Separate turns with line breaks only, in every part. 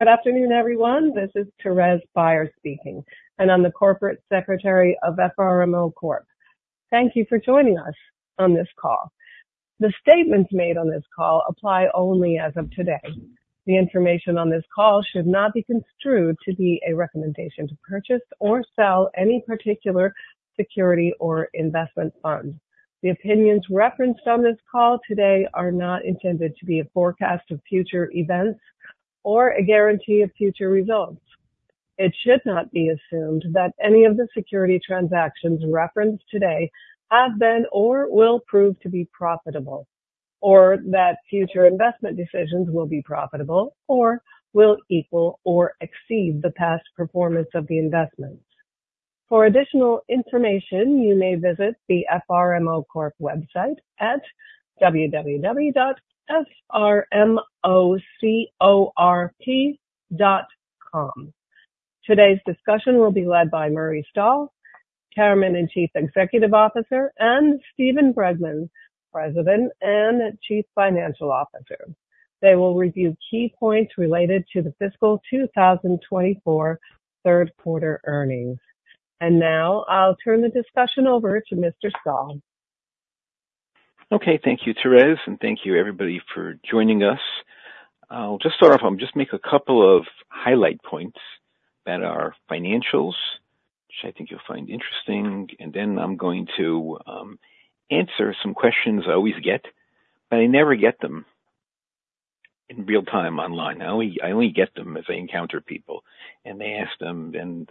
Good afternoon, everyone. This is Therese Byars speaking, and I'm the Corporate Secretary of FRMO Corp. Thank you for joining us on this call. The statements made on this call apply only as of today. The information on this call should not be construed to be a recommendation to purchase or sell any particular security or investment fund. The opinions referenced on this call today are not intended to be a forecast of future events or a guarantee of future results. It should not be assumed that any of the security transactions referenced today have been or will prove to be profitable, or that future investment decisions will be profitable or will equal or exceed the past performance of the investments. For additional information, you may visit the FRMO Corp website at www.frmocorp.com. Today's discussion will be led by Murray Stahl, Chairman and Chief Executive Officer, and Steven Bregman, President and Chief Financial Officer. They will review key points related to the fiscal 2024 Q3 earnings. And now I'll turn the discussion over to Mr. Stahl.
Okay, thank you, Therese, and thank you everybody for joining us. I'll just start off, just make a couple of highlight points that are financials, which I think you'll find interesting, and then I'm going to answer some questions I always get, but I never get them in real time online. I only, I only get them as I encounter people and they ask them, and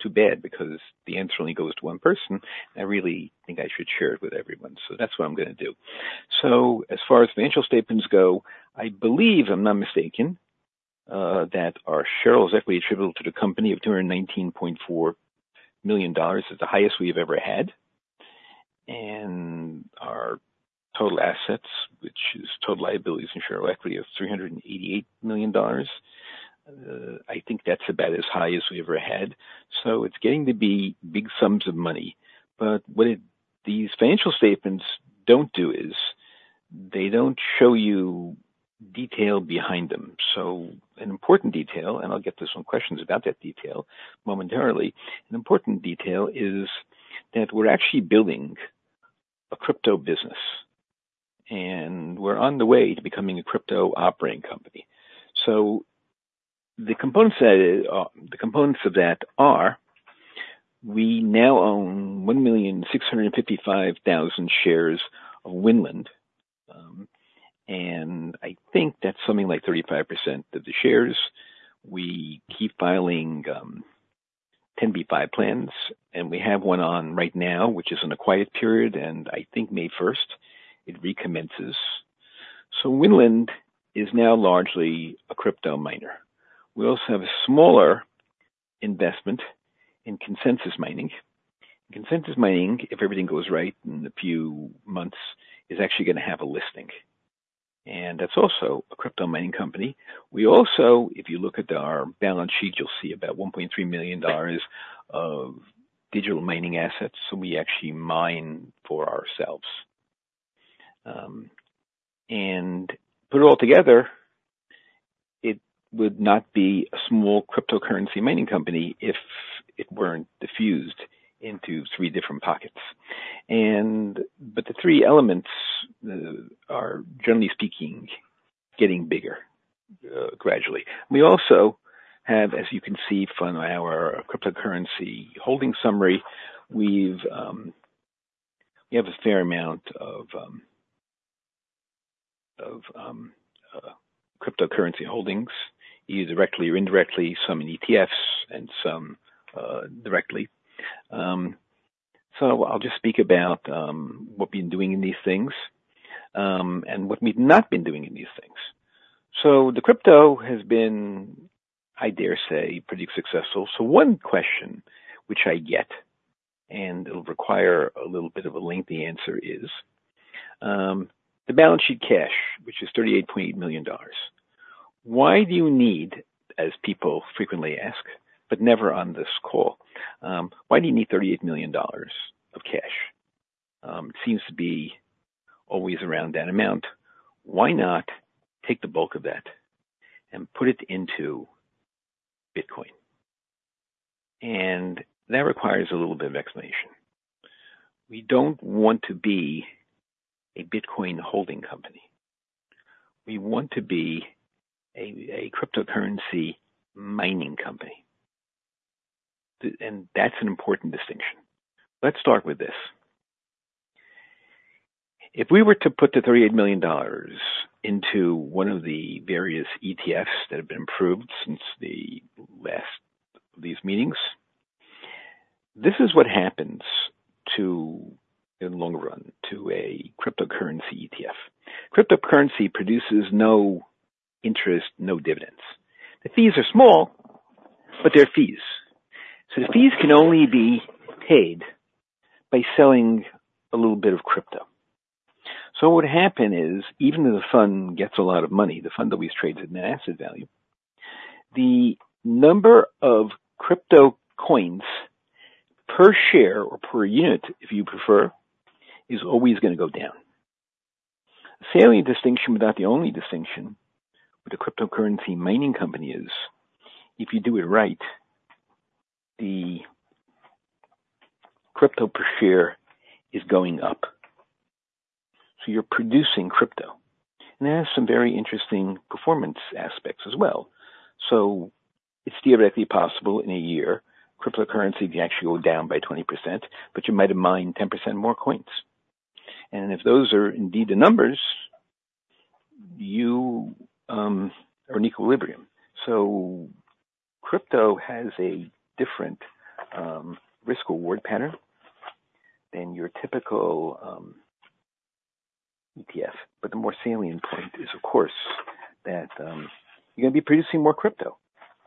it's too bad because the answer only goes to one person. I really think I should share it with everyone. So that's what I'm gonna do. So as far as financial statements go, I believe I'm not mistaken, that our shareholders' equity attributable to the company of $219.4 million is the highest we've ever had. And our total assets, which is total liabilities and shareholder equity, of $388 million. I think that's about as high as we ever had. So it's getting to be big sums of money. But what it... these financial statements don't do is, they don't show you detail behind them. So an important detail, and I'll get to some questions about that detail momentarily. An important detail is that we're actually building a crypto business, and we're on the way to becoming a crypto operating company. So the components that, the components of that are, we now own 1,655,000 shares of Winland. And I think that's something like 35% of the shares. We keep filing 10b5-1 plans, and we have one on right now, which is in a quiet period, and I think May first it recommences. So Winland is now largely a crypto miner. We also have a smaller investment in Consensus Mining. Consensus Mining, if everything goes right in a few months, is actually gonna have a listing. And that's also a crypto mining company. We also, if you look at our balance sheet, you'll see about $1.3 million of digital mining assets, so we actually mine for ourselves. And put it all together, it would not be a small cryptocurrency mining company if it weren't diffused into three different pockets. And but the three elements are, generally speaking, getting bigger gradually. We also have, as you can see from our cryptocurrency holding summary, we have a fair amount of cryptocurrency holdings, either directly or indirectly, some in ETFs and some directly. So I'll just speak about what we've been doing in these things and what we've not been doing in these things. So the crypto has been, I dare say, pretty successful. So one question which I get, and it'll require a little bit of a lengthy answer, is the balance sheet cash, which is $38.8 million. Why do you need, as people frequently ask, but never on this call, why do you need $38 million of cash? It seems to be always around that amount. Why not take the bulk of that and put it into Bitcoin? And that requires a little bit of explanation. We don't want to be a Bitcoin holding company. We want to be a cryptocurrency mining company. And that's an important distinction. Let's start with this. If we were to put the $38 million into one of the various ETFs that have been approved since the last of these meetings, this is what happens to, in the long run, to a cryptocurrency ETF. Cryptocurrency produces no interest, no dividends. The fees are small, but they're fees. So the fees can only be paid by selling a little bit of crypto. So what happened is, even though the fund gets a lot of money, the fund always trades at net asset value. The number of crypto coins per share or per unit, if you prefer, is always gonna go down.... A salient distinction, but not the only distinction, with the cryptocurrency mining company is if you do it right, the crypto per share is going up. So you're producing crypto, and that has some very interesting performance aspects as well. So it's theoretically possible in a year, cryptocurrency can actually go down by 20%, but you might have mined 10% more coins. If those are indeed the numbers, you are in equilibrium. So crypto has a different risk reward pattern than your typical ETF. But the more salient point is, of course, that you're gonna be producing more crypto.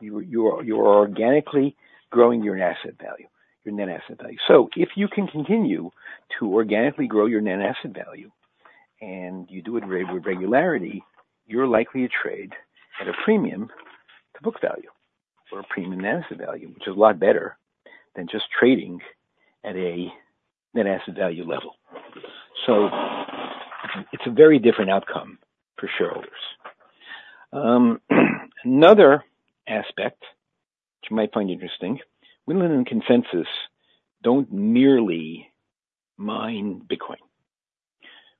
You're organically growing your asset value, your net asset value. So if you can continue to organically grow your net asset value, and you do it with regularity, you're likely to trade at a premium to book value or a premium net asset value, which is a lot better than just trading at a net asset value level. So it's a very different outcome for shareholders. Another aspect which you might find interesting, Winland and Consensus Mining don't merely mine Bitcoin.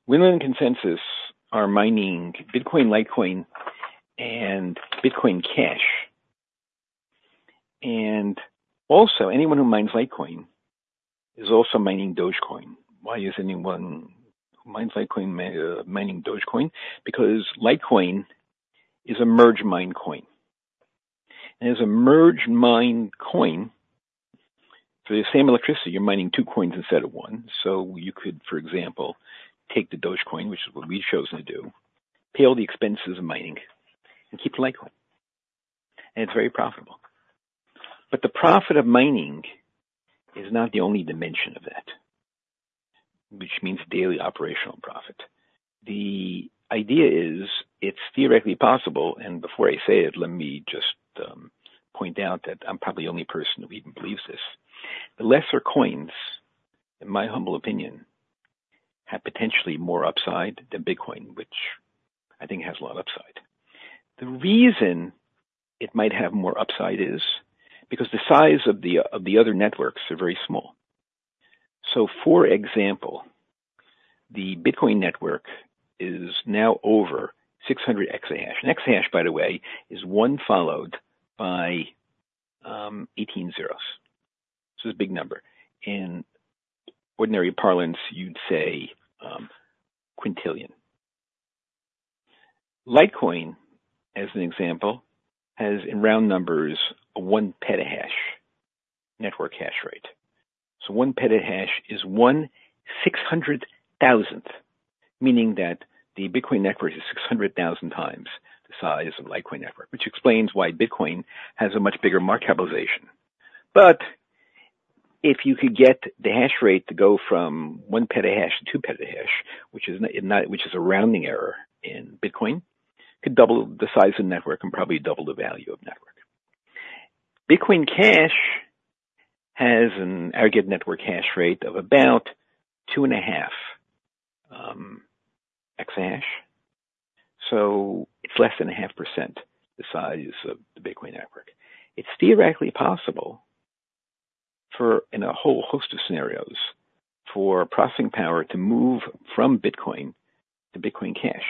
Winland and Consensus Mining are mining Bitcoin, Litecoin, and Bitcoin Cash. And also, anyone who mines Litecoin is also mining Dogecoin. Why is anyone who mines Litecoin mining Dogecoin? Because Litecoin is a merge-mined coin, and as a merge-mined coin, for the same electricity, you're mining two coins instead of one. So you could, for example, take the Dogecoin, which is what we've chosen to do, pay all the expenses of mining, and keep the Litecoin. And it's very profitable. But the profit of mining is not the only dimension of that, which means daily operational profit. The idea is, it's theoretically possible, and before I say it, let me just point out that I'm probably the only person who even believes this. The lesser coins, in my humble opinion, have potentially more upside than Bitcoin, which I think has a lot of upside. The reason it might have more upside is because the size of the other networks are very small. So, for example, the Bitcoin network is now over 600 exahash. An exahash, by the way, is one followed by 18 zeros. So it's a big number. In ordinary parlance, you'd say quintillion. Litecoin, as an example, has, in round numbers, a one petahash network hash rate. So one petahash is 1/600,000, meaning that the Bitcoin network is 600,000 times the size of Litecoin network, which explains why Bitcoin has a much bigger market capitalization. But if you could get the hash rate to go from one petahash to two petahash, which is a rounding error in Bitcoin, could double the size of the network and probably double the value of network. Bitcoin Cash has an aggregate network hash rate of about 2.5 Exahash, so it's less than 0.5% the size of the Bitcoin network. It's theoretically possible for, in a whole host of scenarios, for processing power to move from Bitcoin to Bitcoin Cash.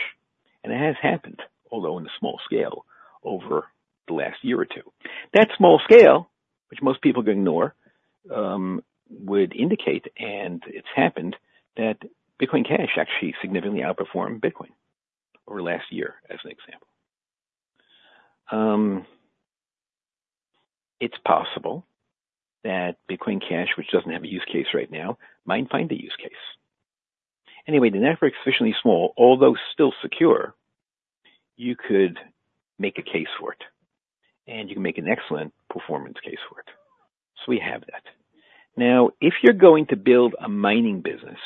And it has happened, although on a small scale, over the last year or two. That small scale, which most people ignore, would indicate, and it's happened, that Bitcoin Cash actually significantly outperformed Bitcoin over last year, as an example. It's possible that Bitcoin Cash, which doesn't have a use case right now, might find a use case. Anyway, the network is sufficiently small, although still secure, you could make a case for it, and you can make an excellent performance case for it. So we have that. Now, if you're going to build a mining business,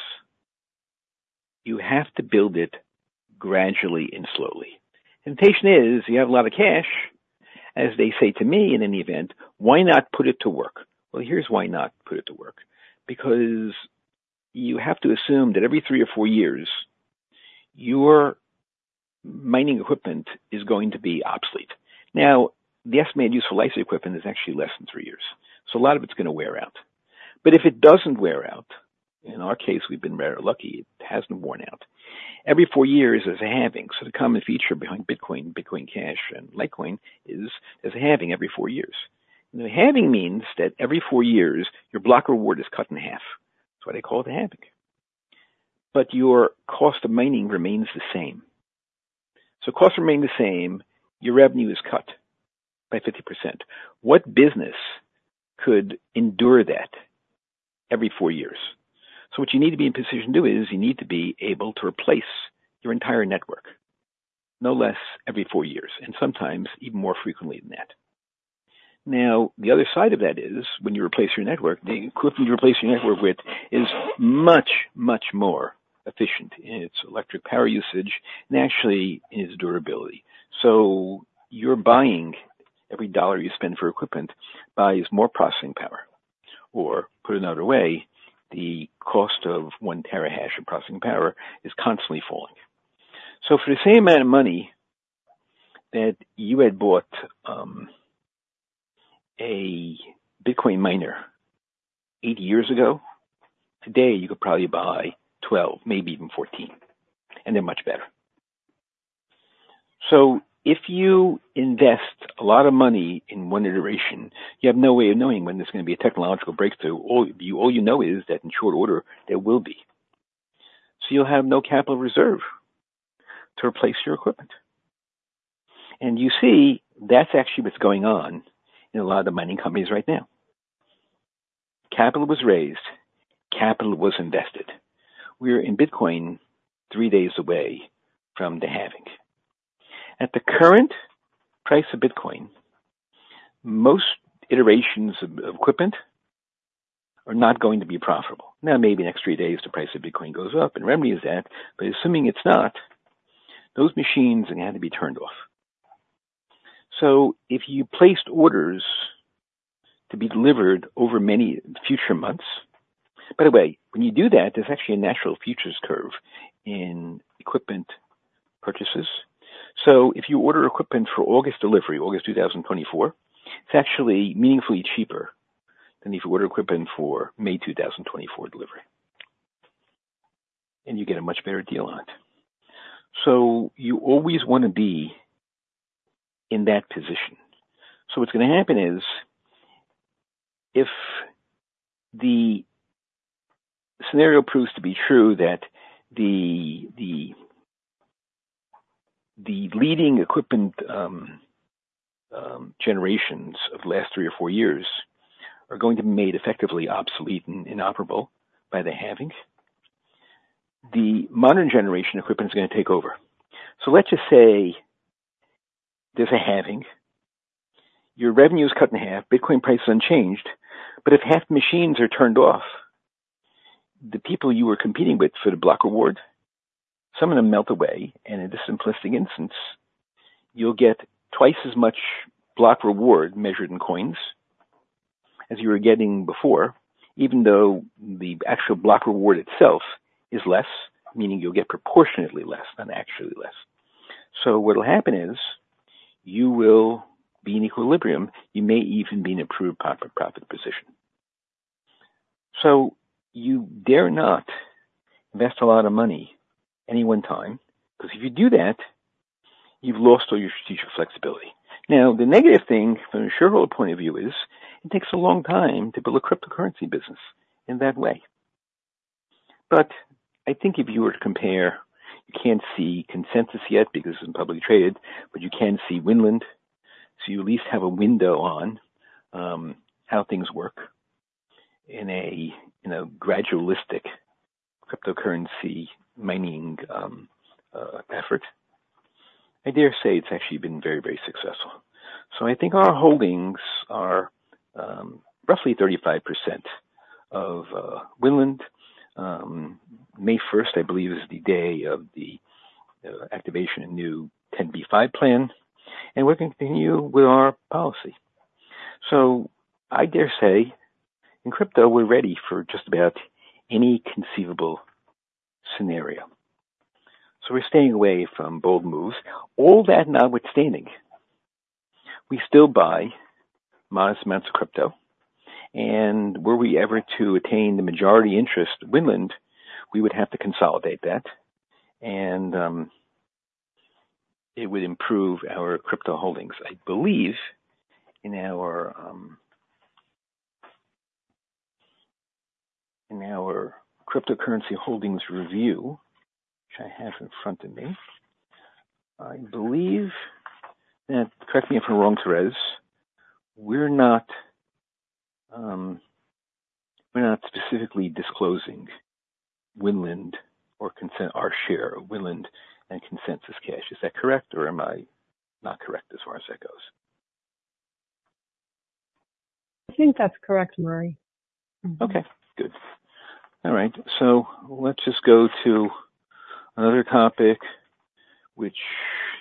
you have to build it gradually and slowly. The temptation is, you have a lot of cash, as they say to me, in any event, why not put it to work? Well, here's why not put it to work: because you have to assume that every three or four years, your mining equipment is going to be obsolete. Now, the estimated useful life of the equipment is actually less than three years, so a lot of it's gonna wear out. But if it doesn't wear out, in our case, we've been very lucky, it hasn't worn out. Every four years is a halving. So the common feature behind Bitcoin, Bitcoin Cash and Litecoin is a halving every four years. Now, halving means that every four years, your block reward is cut in half. That's why they call it a halving. But your cost of mining remains the same. So costs remain the same, your revenue is cut by 50%. What business could endure that every four years? So what you need to be in position to do is, you need to be able to replace your entire network, no less every four years, and sometimes even more frequently than that. Now, the other side of that is, when you replace your network, the equipment you replace your network with is much, much more efficient in its electric power usage and actually in its durability. So you're buying, every dollar you spend for equipment buys more processing power.... Or put another way, the cost of one terahash of processing power is constantly falling. So for the same amount of money that you had bought a Bitcoin miner eight years ago, today you could probably buy 12, maybe even 14, and they're much better. So if you invest a lot of money in one iteration, you have no way of knowing when there's gonna be a technological breakthrough, all you, all you know is that in short order, there will be. So you'll have no capital reserve to replace your equipment. And you see, that's actually what's going on in a lot of the mining companies right now. Capital was raised, capital was invested. We're in Bitcoin, three days away from the halving. At the current price of Bitcoin, most iterations of equipment are not going to be profitable. Now, maybe the next three days, the price of Bitcoin goes up, and remedy is that. But assuming it's not, those machines are gonna have to be turned off. So if you placed orders to be delivered over many future months... By the way, when you do that, there's actually a natural futures curve in equipment purchases. So if you order equipment for August delivery, August 2024, it's actually meaningfully cheaper than if you order equipment for May 2024 delivery, and you get a much better deal on it. So you always wanna be in that position. So what's gonna happen is, if the scenario proves to be true that the leading equipment generations of the last three or four years are going to be made effectively obsolete and inoperable by the halving, the modern generation equipment is gonna take over. So let's just say there's a halving. Your revenue is cut in half. Bitcoin price is unchanged, but if half the machines are turned off, the people you are competing with for the block reward, some of them melt away, and in a simplistic instance, you'll get twice as much block reward measured in coins as you were getting before, even though the actual block reward itself is less, meaning you'll get proportionately less than actually less. So what'll happen is, you will be in equilibrium. You may even be in a improved profit, profit position. So you dare not invest a lot of money any one time, 'cause if you do that, you've lost all your strategic flexibility. Now, the negative thing from a shareholder point of view is, it takes a long time to build a cryptocurrency business in that way. But I think if you were to compare, you can't see Consensus yet because it's publicly traded, but you can see Winland. So you at least have a window on how things work in a gradualistic cryptocurrency mining effort. I dare say it's actually been very, very successful. So I think our holdings are roughly 35% of Winland. May first, I believe, is the day of the activation of new 10b5-1 plan, and we're gonna continue with our policy. So I dare say in crypto, we're ready for just about any conceivable scenario. So we're staying away from bold moves. All that notwithstanding, we still buy modest amounts of crypto, and were we ever to attain the majority interest in Winland, we would have to consolidate that, and it would improve our crypto holdings. I believe in our, in our cryptocurrency holdings review, which I have in front of me, I believe, and correct me if I'm wrong, Therese, we're not, we're not specifically disclosing Winland or Consensus—our share of Winland and Consensus cash. Is that correct, or am I not correct as far as that goes?
I think that's correct, Murray.
Okay, good. All right, so let's just go to another topic which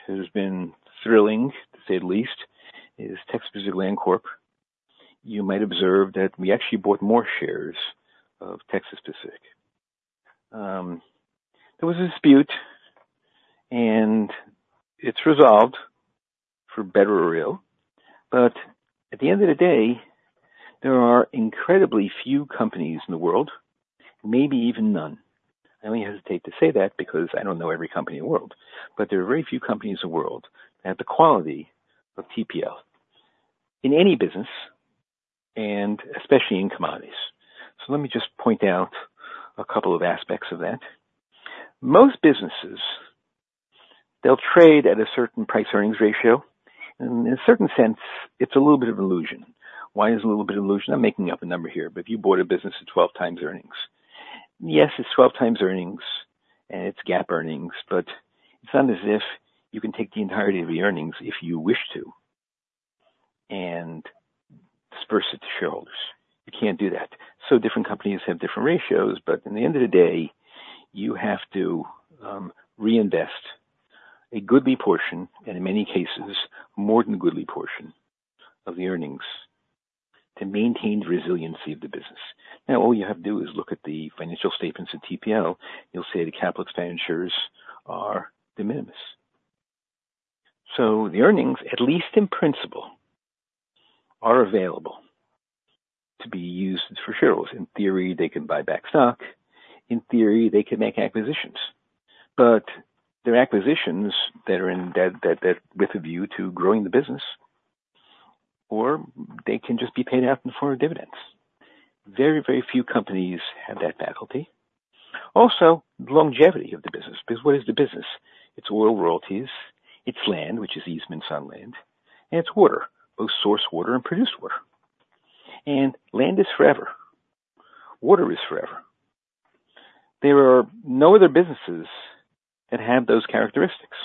has been thrilling, to say the least, is Texas Pacific Land Corp. You might observe that we actually bought more shares of Texas Pacific. There was a dispute and it's resolved, for better or real, but at the end of the day, there are incredibly few companies in the world, maybe even none. I only hesitate to say that because I don't know every company in the world, but there are very few companies in the world that have the quality of TPL in any business, and especially in commodities. So let me just point out a couple of aspects of that. Most businesses, they'll trade at a certain price earnings ratio, and in a certain sense, it's a little bit of illusion. Why is it a little bit of illusion? I'm making up a number here, but if you bought a business at 12 times earnings. Yes, it's 12 times earnings, and it's GAAP earnings, but it's not as if you can take the entirety of the earnings if you wish to, and disperse it to shareholders. You can't do that. So different companies have different ratios, but in the end of the day, you have to reinvest a goodly portion, and in many cases, more than a goodly portion of the earnings, to maintain the resiliency of the business. Now, all you have to do is look at the financial statements at TPL. You'll see the capital expenditures are de minimis. So the earnings, at least in principle, are available to be used for shareholders. In theory, they can buy back stock. In theory, they can make acquisitions, but they're acquisitions that are in with a view to growing the business, or they can just be paid out in the form of dividends. Very, very few companies have that faculty. Also, the longevity of the business, because what is the business? It's oil royalties, it's land, which is easements on land, and it's water, both source water and produced water. And land is forever. Water is forever. There are no other businesses that have those characteristics.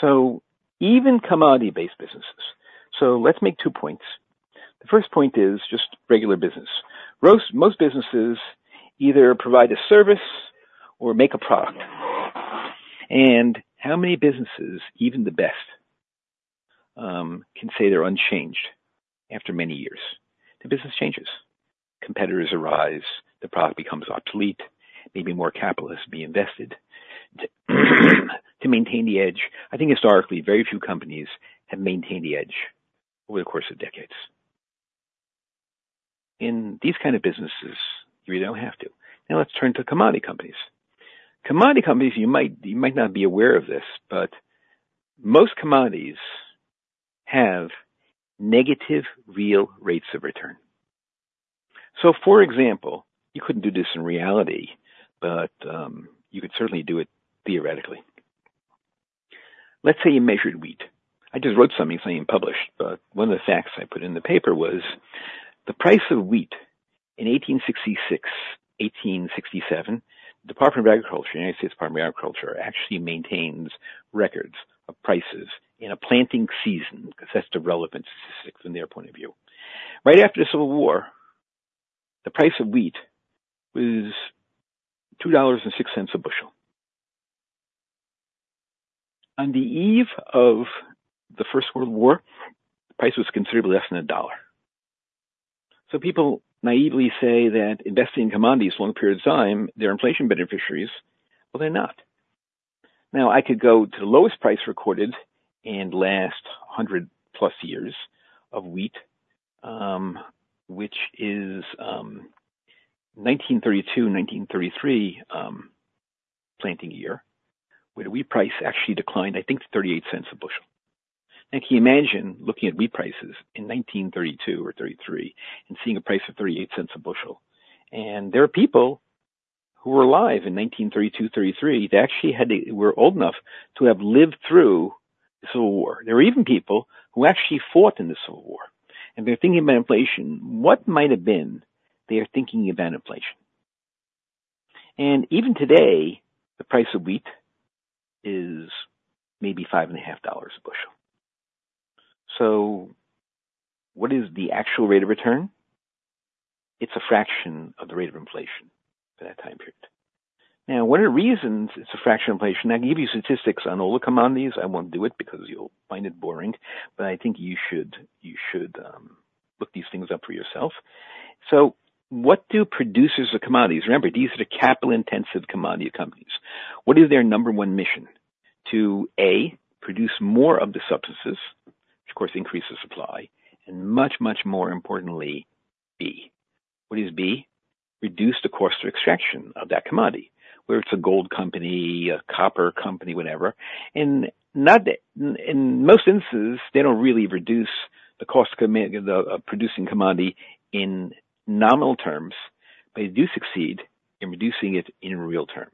So even commodity-based businesses. So let's make two points. The first point is just regular business. Most businesses either provide a service or make a product. And how many businesses, even the best, can say they're unchanged after many years? The business changes. Competitors arise, the product becomes obsolete, maybe more capital be invested to maintain the edge. I think historically, very few companies have maintained the edge over the course of decades. In these kind of businesses, you really don't have to. Now let's turn to commodity companies. Commodity companies, you might, you might not be aware of this, but most commodities have negative real rates of return. So for example, you couldn't do this in reality, but you could certainly do it theoretically. Let's say you measured wheat. I just wrote something, it's being published, but one of the facts I put in the paper was the price of wheat in 1866, 1867, Department of Agriculture, United States Department of Agriculture, actually maintains records of prices in a planting season because that's the relevant statistic from their point of view. Right after the Civil War, the price of wheat was $2.06 a bushel. On the eve of the First World War, the price was considerably less than $1. So people naively say that investing in commodities long periods of time, they're inflation beneficiaries, but they're not. Now, I could go to the lowest price recorded in the last 100+ years of wheat, which is 1932, 1933, planting year, where the wheat price actually declined, I think $0.38 a bushel. Now, can you imagine looking at wheat prices in 1932 or 1933 and seeing a price of $0.38 a bushel? And there are people who were alive in 1932, 1933, they actually had to—were old enough to have lived through the Civil War. There were even people who actually fought in the Civil War, and they're thinking about inflation. What might have been their thinking about inflation? Even today, the price of wheat is maybe $5.50 a bushel. So what is the actual rate of return? It's a fraction of the rate of inflation for that time period. Now, what are the reasons it's a fraction of inflation? I can give you statistics on all the commodities. I won't do it because you'll find it boring, but I think you should, you should, look these things up for yourself. So what do producers of commodities. Remember, these are the capital-intensive commodity companies. What is their number one mission? To A, produce more of the substances, which of course, increases supply, and much, much more importantly, B. What is B? Reduce the cost of extraction of that commodity, whether it's a gold company, a copper company, whatever. In most instances, they don't really reduce the cost of producing commodity in nominal terms, but they do succeed in reducing it in real terms.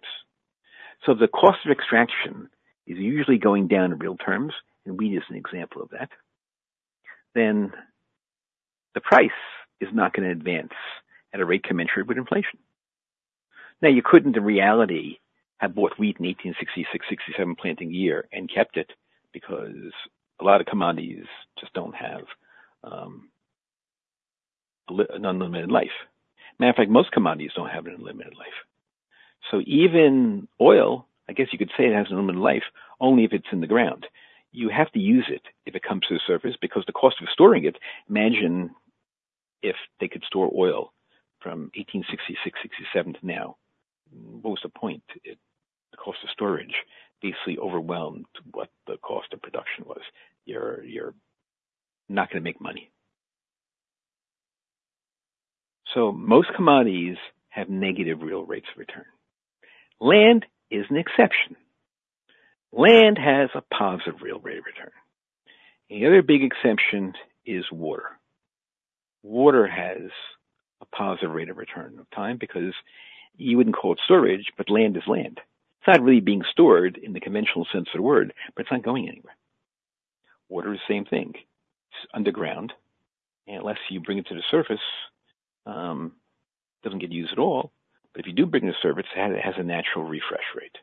So the cost of extraction is usually going down in real terms, and wheat is an example of that. Then the price is not going to advance at a rate commensurate with inflation. Now, you couldn't, in reality, have bought wheat in 1866, 1867 planting year and kept it because a lot of commodities just don't have an unlimited life. Matter of fact, most commodities don't have an unlimited life. So even oil, I guess you could say, it has a limited life only if it's in the ground. You have to use it if it comes to the surface, because the cost of storing it, imagine if they could store oil from 1866, 1867 to now, what was the point? The cost of storage basically overwhelmed what the cost of production was. You're not going to make money. So most commodities have negative real rates of return. Land is an exception. Land has a positive real rate of return. The other big exception is water. Water has a positive rate of return of time because you wouldn't call it storage, but land is land. It's not really being stored in the conventional sense of the word, but it's not going anywhere. Water is the same thing. It's underground, and unless you bring it to the surface, it doesn't get used at all. But if you do bring it to the surface, it has a natural refresh rate.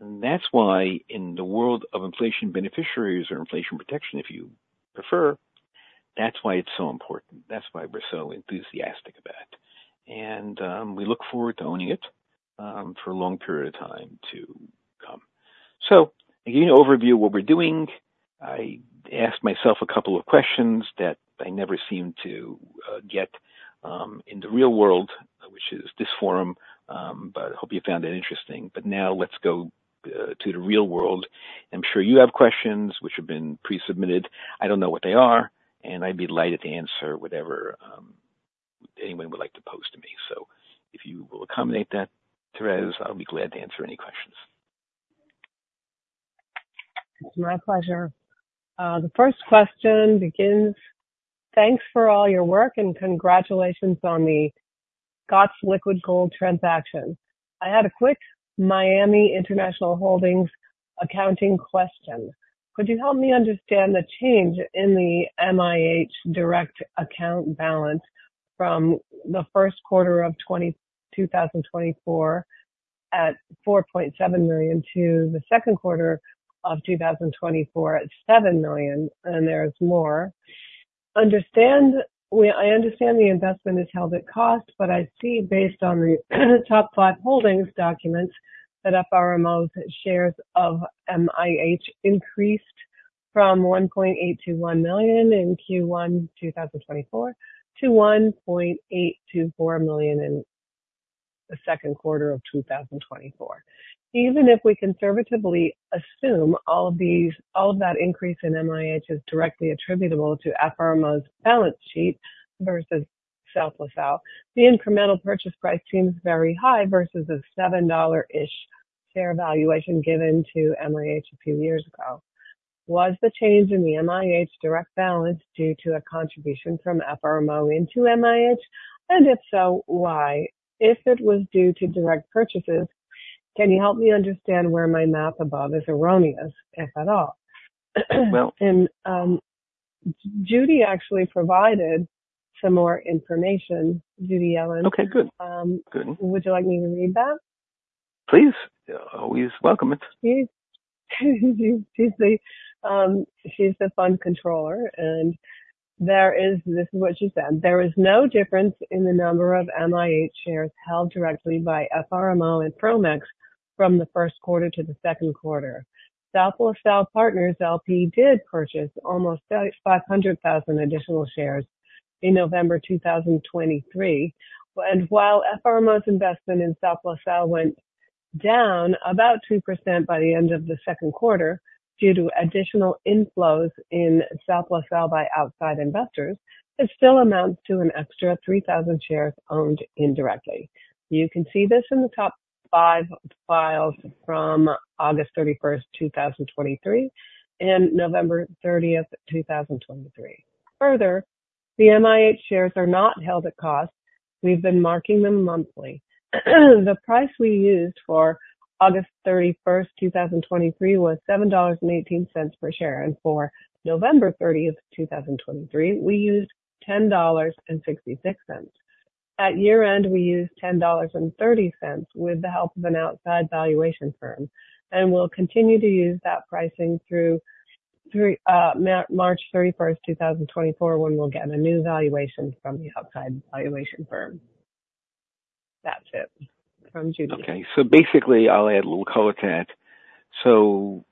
And that's why in the world of inflation beneficiaries or inflation protection, if you prefer.... That's why it's so important. That's why we're so enthusiastic about it, and we look forward to owning it for a long period of time to come. So again, an overview of what we're doing. I asked myself a couple of questions that I never seem to get in the real world, which is this forum, but I hope you found it interesting. But now let's go to the real world. I'm sure you have questions which have been pre-submitted. I don't know what they are, and I'd be delighted to answer whatever anyone would like to pose to me. If you will accommodate that, Therese, I'll be glad to answer any questions.
It's my pleasure. The first question begins: Thanks for all your work and congratulations on the Scott's Liquid Gold transaction. I had a quick Miami International Holdings accounting question. Could you help me understand the change in the MIH direct account balance from the Q1 of 2024 at $4.7 million to the Q2 of 2024 at 7 million? And there's more. I understand the investment is held at cost, but I see based on the top five holdings documents, that FRMO's shares of MIH increased from $1.821 in Q1 2024 to 1.824 million in the Q2 of 2024. Even if we conservatively assume all of these, all of that increase in MIH is directly attributable to FRMO's balance sheet versus South LaSalle, the incremental purchase price seems very high versus the $7-ish share valuation given to MIH a few years ago. Was the change in the MIH direct balance due to a contribution from FRMO into MIH? And if so, why? If it was due to direct purchases, can you help me understand where my math above is erroneous, if at all?
Well-
Judy actually provided some more information. Judy Ellen.
Okay, good.
Um-
Good.
Would you like me to read that?
Please. Always welcome it.
She's the fund controller, and there is... This is what she said: There is no difference in the number of MIH shares held directly by FRMO and Fromex from Q1 to Q2. South LaSalle Partners, LP, did purchase almost 500,000 additional shares in November 2023. And while FRMO's investment in South LaSalle went down about 2% by the end of the Q2, due to additional inflows in South LaSalle by outside investors, it still amounts to an extra 3,000 shares owned indirectly. You can see this in the top five files from August 31, 2023, and November 30, 2023. Further, the MIH shares are not held at cost. We've been marking them monthly. The price we used for August 31, 2023, was $7.18 per share, and for November 30, 2023, we used $10.66. At year-end, we used $10.30 with the help of an outside valuation firm, and we'll continue to use that pricing through March 31, 2024, when we'll get a new valuation from the outside valuation firm. That's it from Judy.
Okay. So basically, I'll add a little color to that. So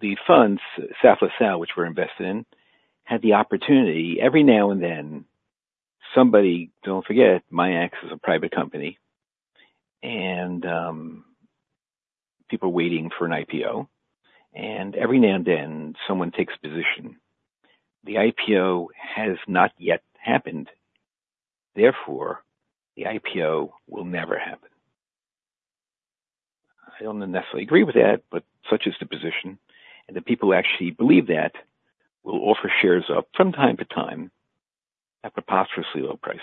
the funds, South LaSalle, which we're invested in, had the opportunity every now and then, somebody, don't forget, MIAX is a private company, and people are waiting for an IPO, and every now and then, someone takes position. The IPO has not yet happened. Therefore, the IPO will never happen. I don't necessarily agree with that, but such is the position, and the people who actually believe that will offer shares up from time to time at preposterously low prices.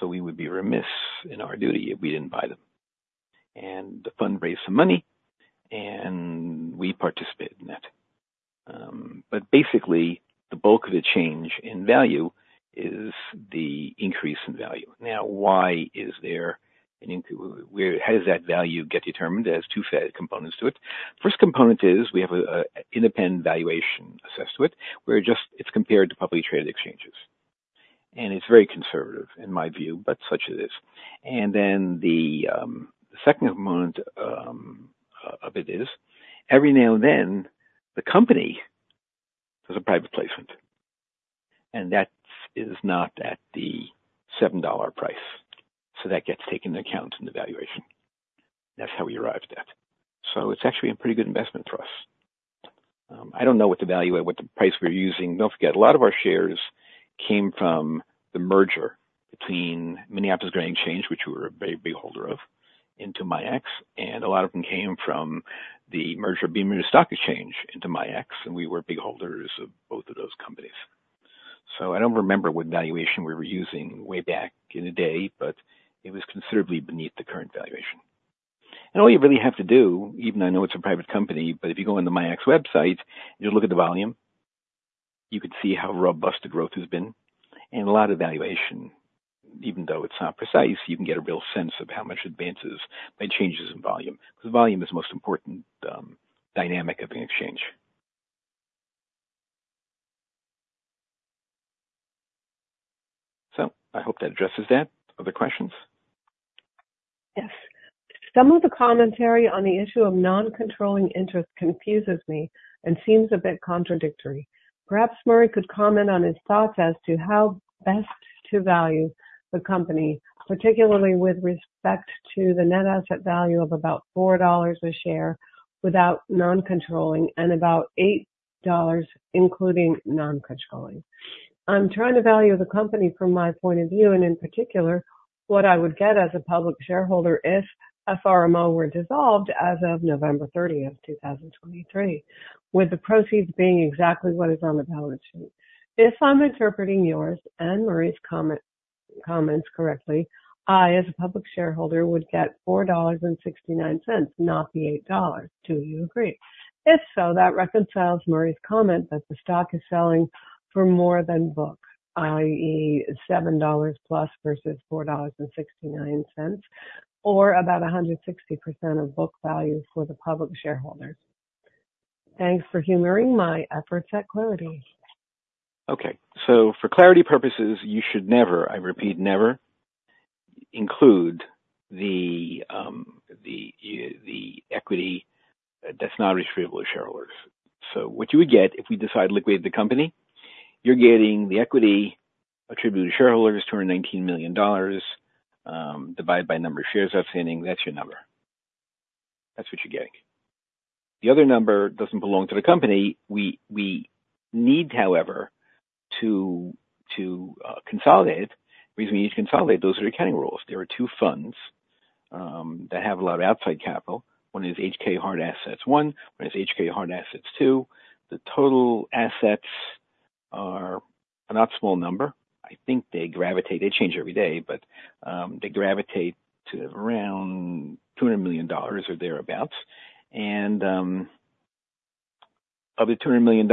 So we would be remiss in our duty if we didn't buy them. And the fund raised some money, and we participated in that. But basically, the bulk of the change in value is the increase in value. Now, why is there? Where, how does that value get determined? There's two components to it. First component is we have an independent valuation assessed to it, where just it's compared to publicly traded exchanges. And it's very conservative in my view, but such it is. And then the second component of it is, every now and then, the company does a private placement, and that is not at the $7 price. So that gets taken into account in the valuation. That's how we arrived at. So it's actually a pretty good investment for us. I don't know what the value, what the price we're using. Don't forget, a lot of our shares came from the merger between Minneapolis Grain Exchange, which we were a very big holder of, into MIAX, and a lot of them came from the merger between the Stock Exchange into MIAX, and we were big holders of both of those companies. So I don't remember what valuation we were using way back in the day, but it was considerably beneath the current valuation. And all you really have to do, even though I know it's a private company, but if you go on the MIAX website, you look at the volume, you can see how robust the growth has been and a lot of valuation.... even though it's not precise, you can get a real sense of how much advances by changes in volume. Because volume is the most important, dynamic of an exchange. So I hope that addresses that. Other questions?
Yes. Some of the commentary on the issue of non-controlling interest confuses me and seems a bit contradictory. Perhaps Murray could comment on his thoughts as to how best to value the company, particularly with respect to the net asset value of about $4 a share without non-controlling and about $8 including non-controlling. I'm trying to value the company from my point of view, and in particular, what I would get as a public shareholder if FRMO were dissolved as of November 30, 2023, with the proceeds being exactly what is on the balance sheet. If I'm interpreting yours and Murray's comment, comments correctly, I, as a public shareholder, would get $4.69, not the 8. Do you agree? If so, that reconciles Murray's comment that the stock is selling for more than book, i.e., $7 plus versus $4.69, or about 160% of book value for the public shareholders. Thanks for humoring my efforts at clarity.
Okay, so for clarity purposes, you should never, I repeat, never include the equity that's not retrievable to shareholders. So what you would get if we decide to liquidate the company, you're getting the equity attributed to shareholders, $219 million, divided by number of shares outstanding. That's your number. That's what you're getting. The other number doesn't belong to the company. We need, however, to consolidate. The reason we need to consolidate, those are accounting rules. There are two funds that have a lot of outside capital. One is HK Hard Assets 1, whereas HK Hard Assets 2, the total assets are a not small number. I think they gravitate... They change every day, but they gravitate to around $200 million or thereabouts. Of the $200 million,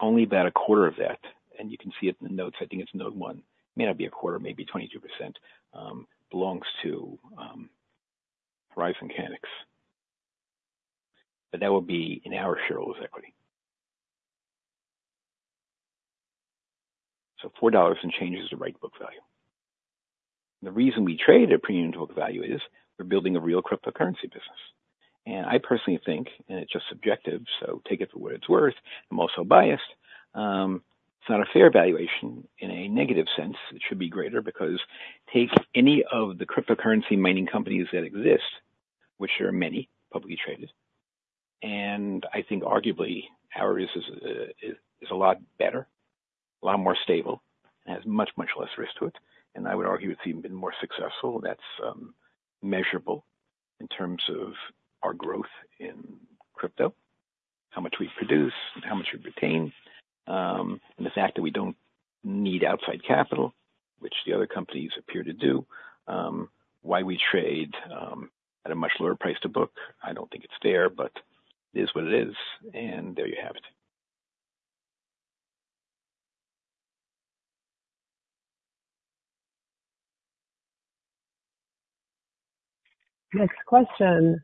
only about a quarter of that, and you can see it in the notes, I think it's note one. May not be a quarter, maybe 22%, belongs to Horizon Kinetics, but that would be in our shareholders' equity. So $4 and change is the right book value. The reason we trade at a premium to book value is we're building a real cryptocurrency business. And I personally think, and it's just subjective, so take it for what it's worth, I'm also biased. It's not a fair valuation in a negative sense. It should be greater because take any of the cryptocurrency mining companies that exist, which are many, publicly traded, and I think arguably, ours is a lot better, a lot more stable, and has much, much less risk to it. I would argue it's even been more successful. That's measurable in terms of our growth in crypto, how much we produce and how much we retain. The fact that we don't need outside capital, which the other companies appear to do. Why we trade at a much lower price to book, I don't think it's fair, but it is what it is, and there you have it.
Next question.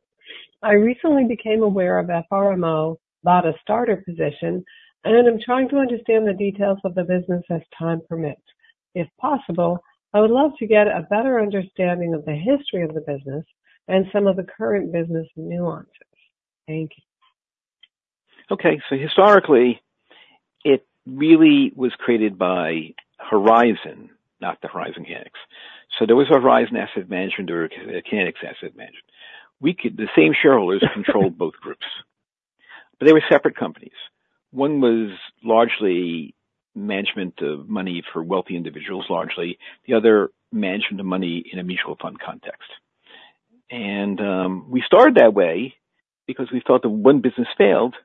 I recently became aware of FRMO, bought a starter position, and I'm trying to understand the details of the business as time permits. If possible, I would love to get a better understanding of the history of the business and some of the current business nuances. Thank you.
Okay, so historically, it really was created by Horizon, not the Horizon Kinetics. So there was a Horizon Asset Management or Kinetics Asset Management. The same shareholders controlled both groups, but they were separate companies. One was largely management of money for wealthy individuals, largely. The other, management of money in a mutual fund context. And we started that way because we thought that if one business failed,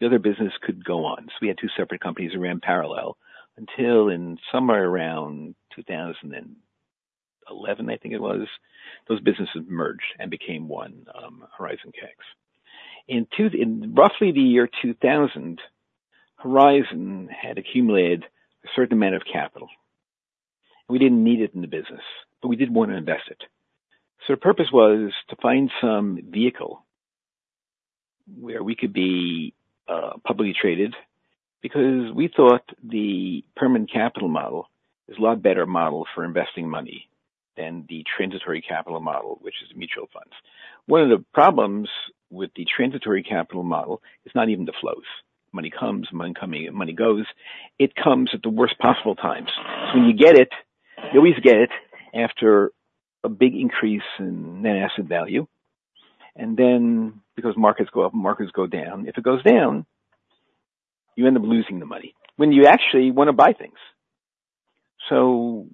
the other business could go on. So we had two separate companies that ran parallel until in somewhere around 2011, I think it was, those businesses merged and became one, Horizon Kinetics. In roughly the year 2000, Horizon had accumulated a certain amount of capital, and we didn't need it in the business, but we did want to invest it. So the purpose was to find some vehicle where we could be publicly traded, because we thought the permanent capital model is a lot better model for investing money than the transitory capital model, which is mutual funds. One of the problems with the transitory capital model is not even the flows. Money comes, money coming in, money goes. It comes at the worst possible times. When you get it, you always get it after a big increase in net asset value, and then because markets go up and markets go down, if it goes down, you end up losing the money when you actually want to buy things. So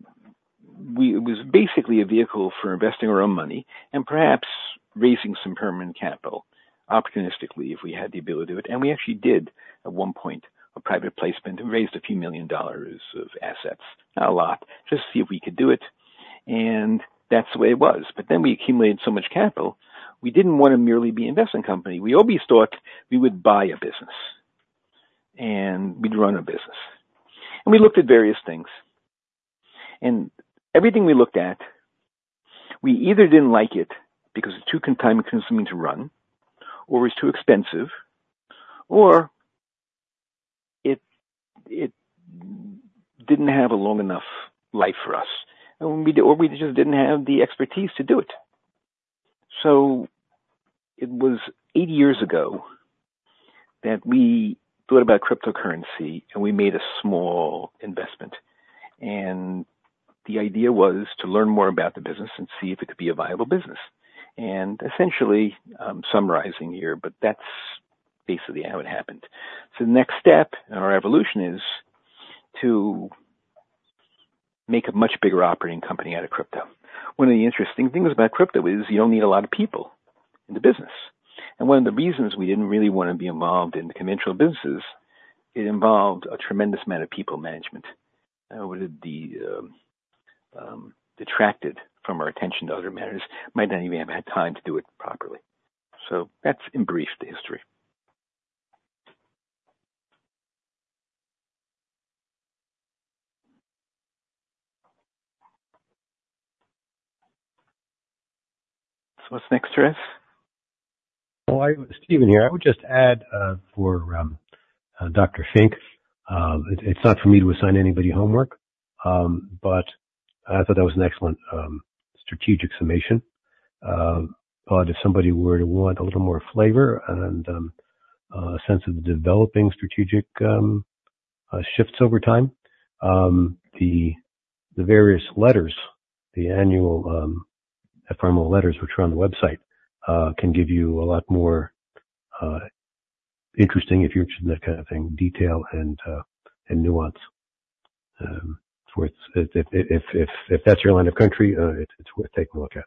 it was basically a vehicle for investing our own money and perhaps raising some permanent capital opportunistically, if we had the ability to do it. We actually did at one point a private placement and raised a few million dollars of assets. Not a lot, just to see if we could do it, and that's the way it was. But then we accumulated so much capital, we didn't want to merely be an investing company. We obviously thought we would buy a business, and we'd run a business. And we looked at various things, and everything we looked at, we either didn't like it because it's too time-consuming to run, or it's too expensive, or it didn't have a long enough life for us, and or we just didn't have the expertise to do it. It was eight years ago that we thought about cryptocurrency, and we made a small investment, and the idea was to learn more about the business and see if it could be a viable business. Essentially, I'm summarizing here, but that's basically how it happened. The next step in our evolution is to make a much bigger operating company out of crypto. One of the interesting things about crypto is you don't need a lot of people in the business, and one of the reasons we didn't really want to be involved in the conventional businesses, it involved a tremendous amount of people management. It would be detracted from our attention to other matters. Might not even have had time to do it properly. That's, in brief, the history. What's next, Steve?
Well, Steven here. I would just add, for Dr. Fink, it's not for me to assign anybody homework, but I thought that was an excellent strategic summation. But if somebody were to want a little more flavor and a sense of the developing strategic shifts over time, the various letters, the annual FRMO letters, which are on the website, can give you a lot more interesting, if you're into that kind of thing, detail and nuance. So it's, if that's your line of country, it's worth taking a look at.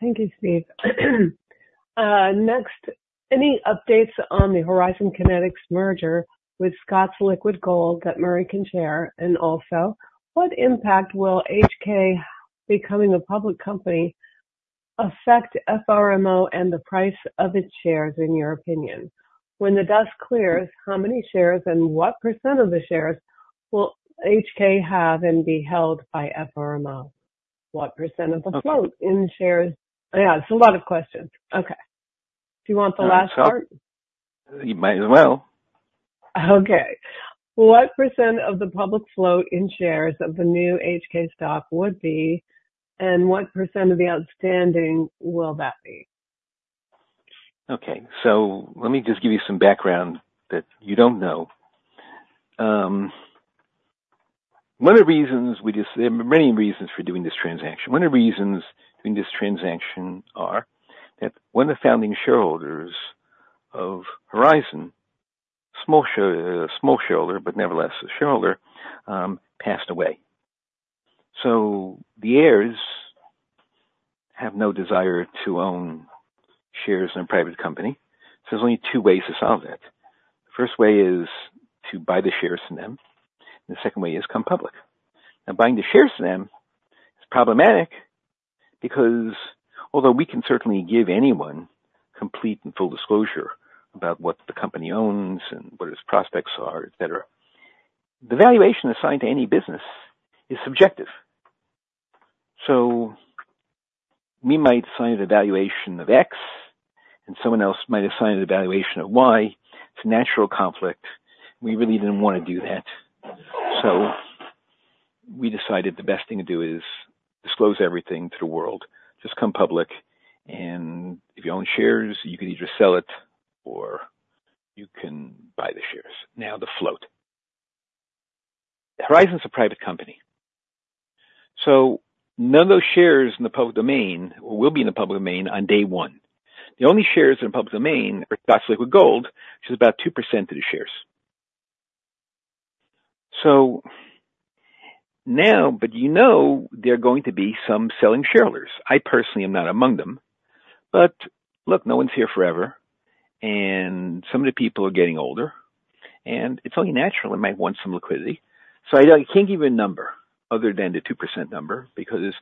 Thank you, Steve. Next, any updates on the Horizon Kinetics merger with Scott's Liquid Gold that Murray can share? And also, what impact will HK becoming a public company affect FRMO and the price of its shares, in your opinion? When the dust clears, how many shares and what percent of the shares will HK have and be held by FRMO? What percent of the float in shares... Yeah, it's a lot of questions. Okay. Do you want the last part?
You might as well.
Okay. What percent of the public float in shares of the new HK stock would be, and what percent of the outstanding will that be?
Okay, so let me just give you some background that you don't know. One of the reasons... There are many reasons for doing this transaction. One of the reasons doing this transaction are that one of the founding shareholders of Horizon, small shareholder, but nevertheless, a shareholder, passed away. So the heirs have no desire to own shares in a private company, so there's only two ways to solve that. The first way is to buy the shares from them, and the second way is come public. Now, buying the shares from them is problematic because although we can certainly give anyone complete and full disclosure about what the company owns and what its prospects are, et cetera, the valuation assigned to any business is subjective. So we might assign a valuation of X, and someone else might assign a valuation of Y. It's a natural conflict. We really didn't want to do that. So we decided the best thing to do is disclose everything to the world, just come public, and if you own shares, you can either sell it or you can buy the shares. Now, the float. Horizon's a private company, so none of those shares in the public domain will be in the public domain on day one. The only shares in the public domain are Scott's Liquid Gold, which is about 2% of the shares. So now, but you know, there are going to be some selling shareholders. I personally am not among them, but look, no one's here forever, and some of the people are getting older, and it's only natural I might want some liquidity. So I can't give you a number other than the 2% number, because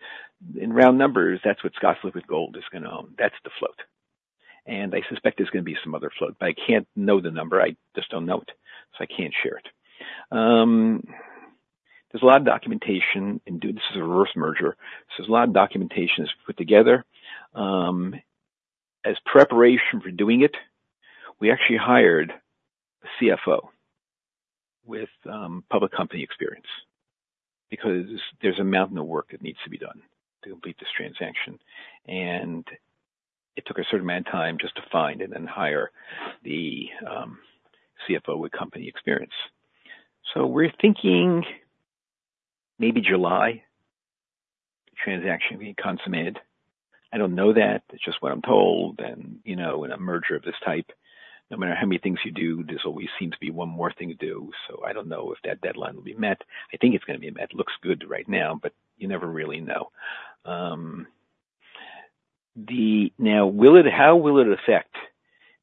in round numbers, that's what Scott's Liquid Gold is gonna own. That's the float. And I suspect there's going to be some other float, but I can't know the number. I just don't know it, so I can't share it. There's a lot of documentation, and dude, this is a reverse merger, so there's a lot of documentation that's put together. As preparation for doing it, we actually hired a CFO with public company experience because there's a mountain of work that needs to be done to complete this transaction. And it took a certain amount of time just to find and then hire the CFO with company experience. So we're thinking maybe July, transaction will be consummated. I don't know that. It's just what I'm told. You know, in a merger of this type, no matter how many things you do, there's always seems to be one more thing to do. So I don't know if that deadline will be met. I think it's going to be met. It looks good right now, but you never really know. Now, how will it affect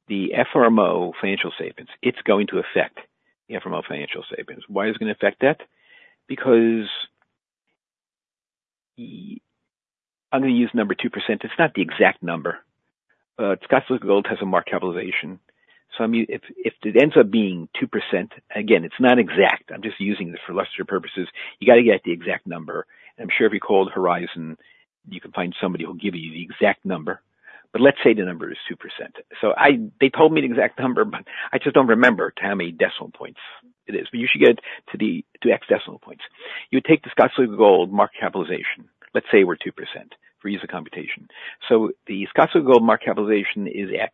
the FRMO financial statements? It's going to affect the FRMO financial statements. Why is it going to affect that? Because, I'm gonna use the number 2%. It's not the exact number, but Scott's Liquid Gold has a market capitalization. So I mean, if, if it ends up being 2%, again, it's not exact. I'm just using this for illustrative purposes. You got to get the exact number. I'm sure if you called Horizon, you can find somebody who will give you the exact number. But let's say the number is 2%. So I... They told me the exact number, but I just don't remember how many decimal points it is. But you should get it to the, to X decimal points. You take the Scott's Liquid Gold market capitalization. Let's say we're 2% for ease of computation. So the Scottsdale Gold market capitalization is X.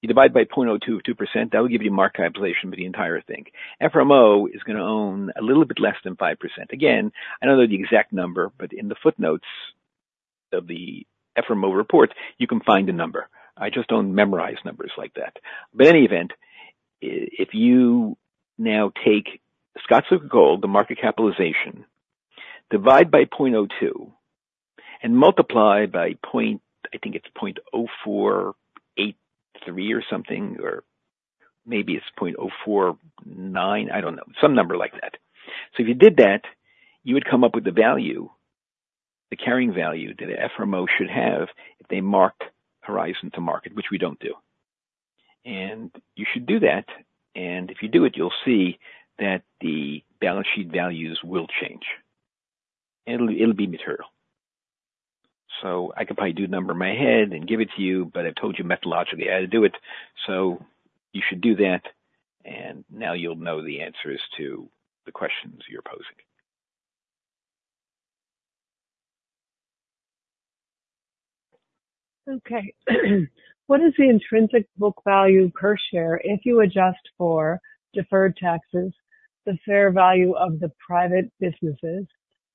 You divide by 0.02 or 2%. That will give you market capitalization for the entire thing. FRMO is gonna own a little bit less than 5%. Again, I don't know the exact number, but in the footnotes of the FRMO report, you can find the number. I just don't memorize numbers like that. But in any event, if you now take Scottsdale Gold, the market capitalization, divide by 0.02 and multiply by 0.0483 or something, or maybe it's 0.049. I don't know, some number like that. So if you did that, you would come up with the value, the carrying value that FRMO should have if they marked Horizon to market, which we don't do. And you should do that, and if you do it, you'll see that the balance sheet values will change, and it'll, it'll be material. So I could probably do the number in my head and give it to you, but I've told you methodologically how to do it. So you should do that, and now you'll know the answers to the questions you're posing.
Okay. What is the intrinsic book value per share if you adjust for deferred taxes, the fair value of the private businesses,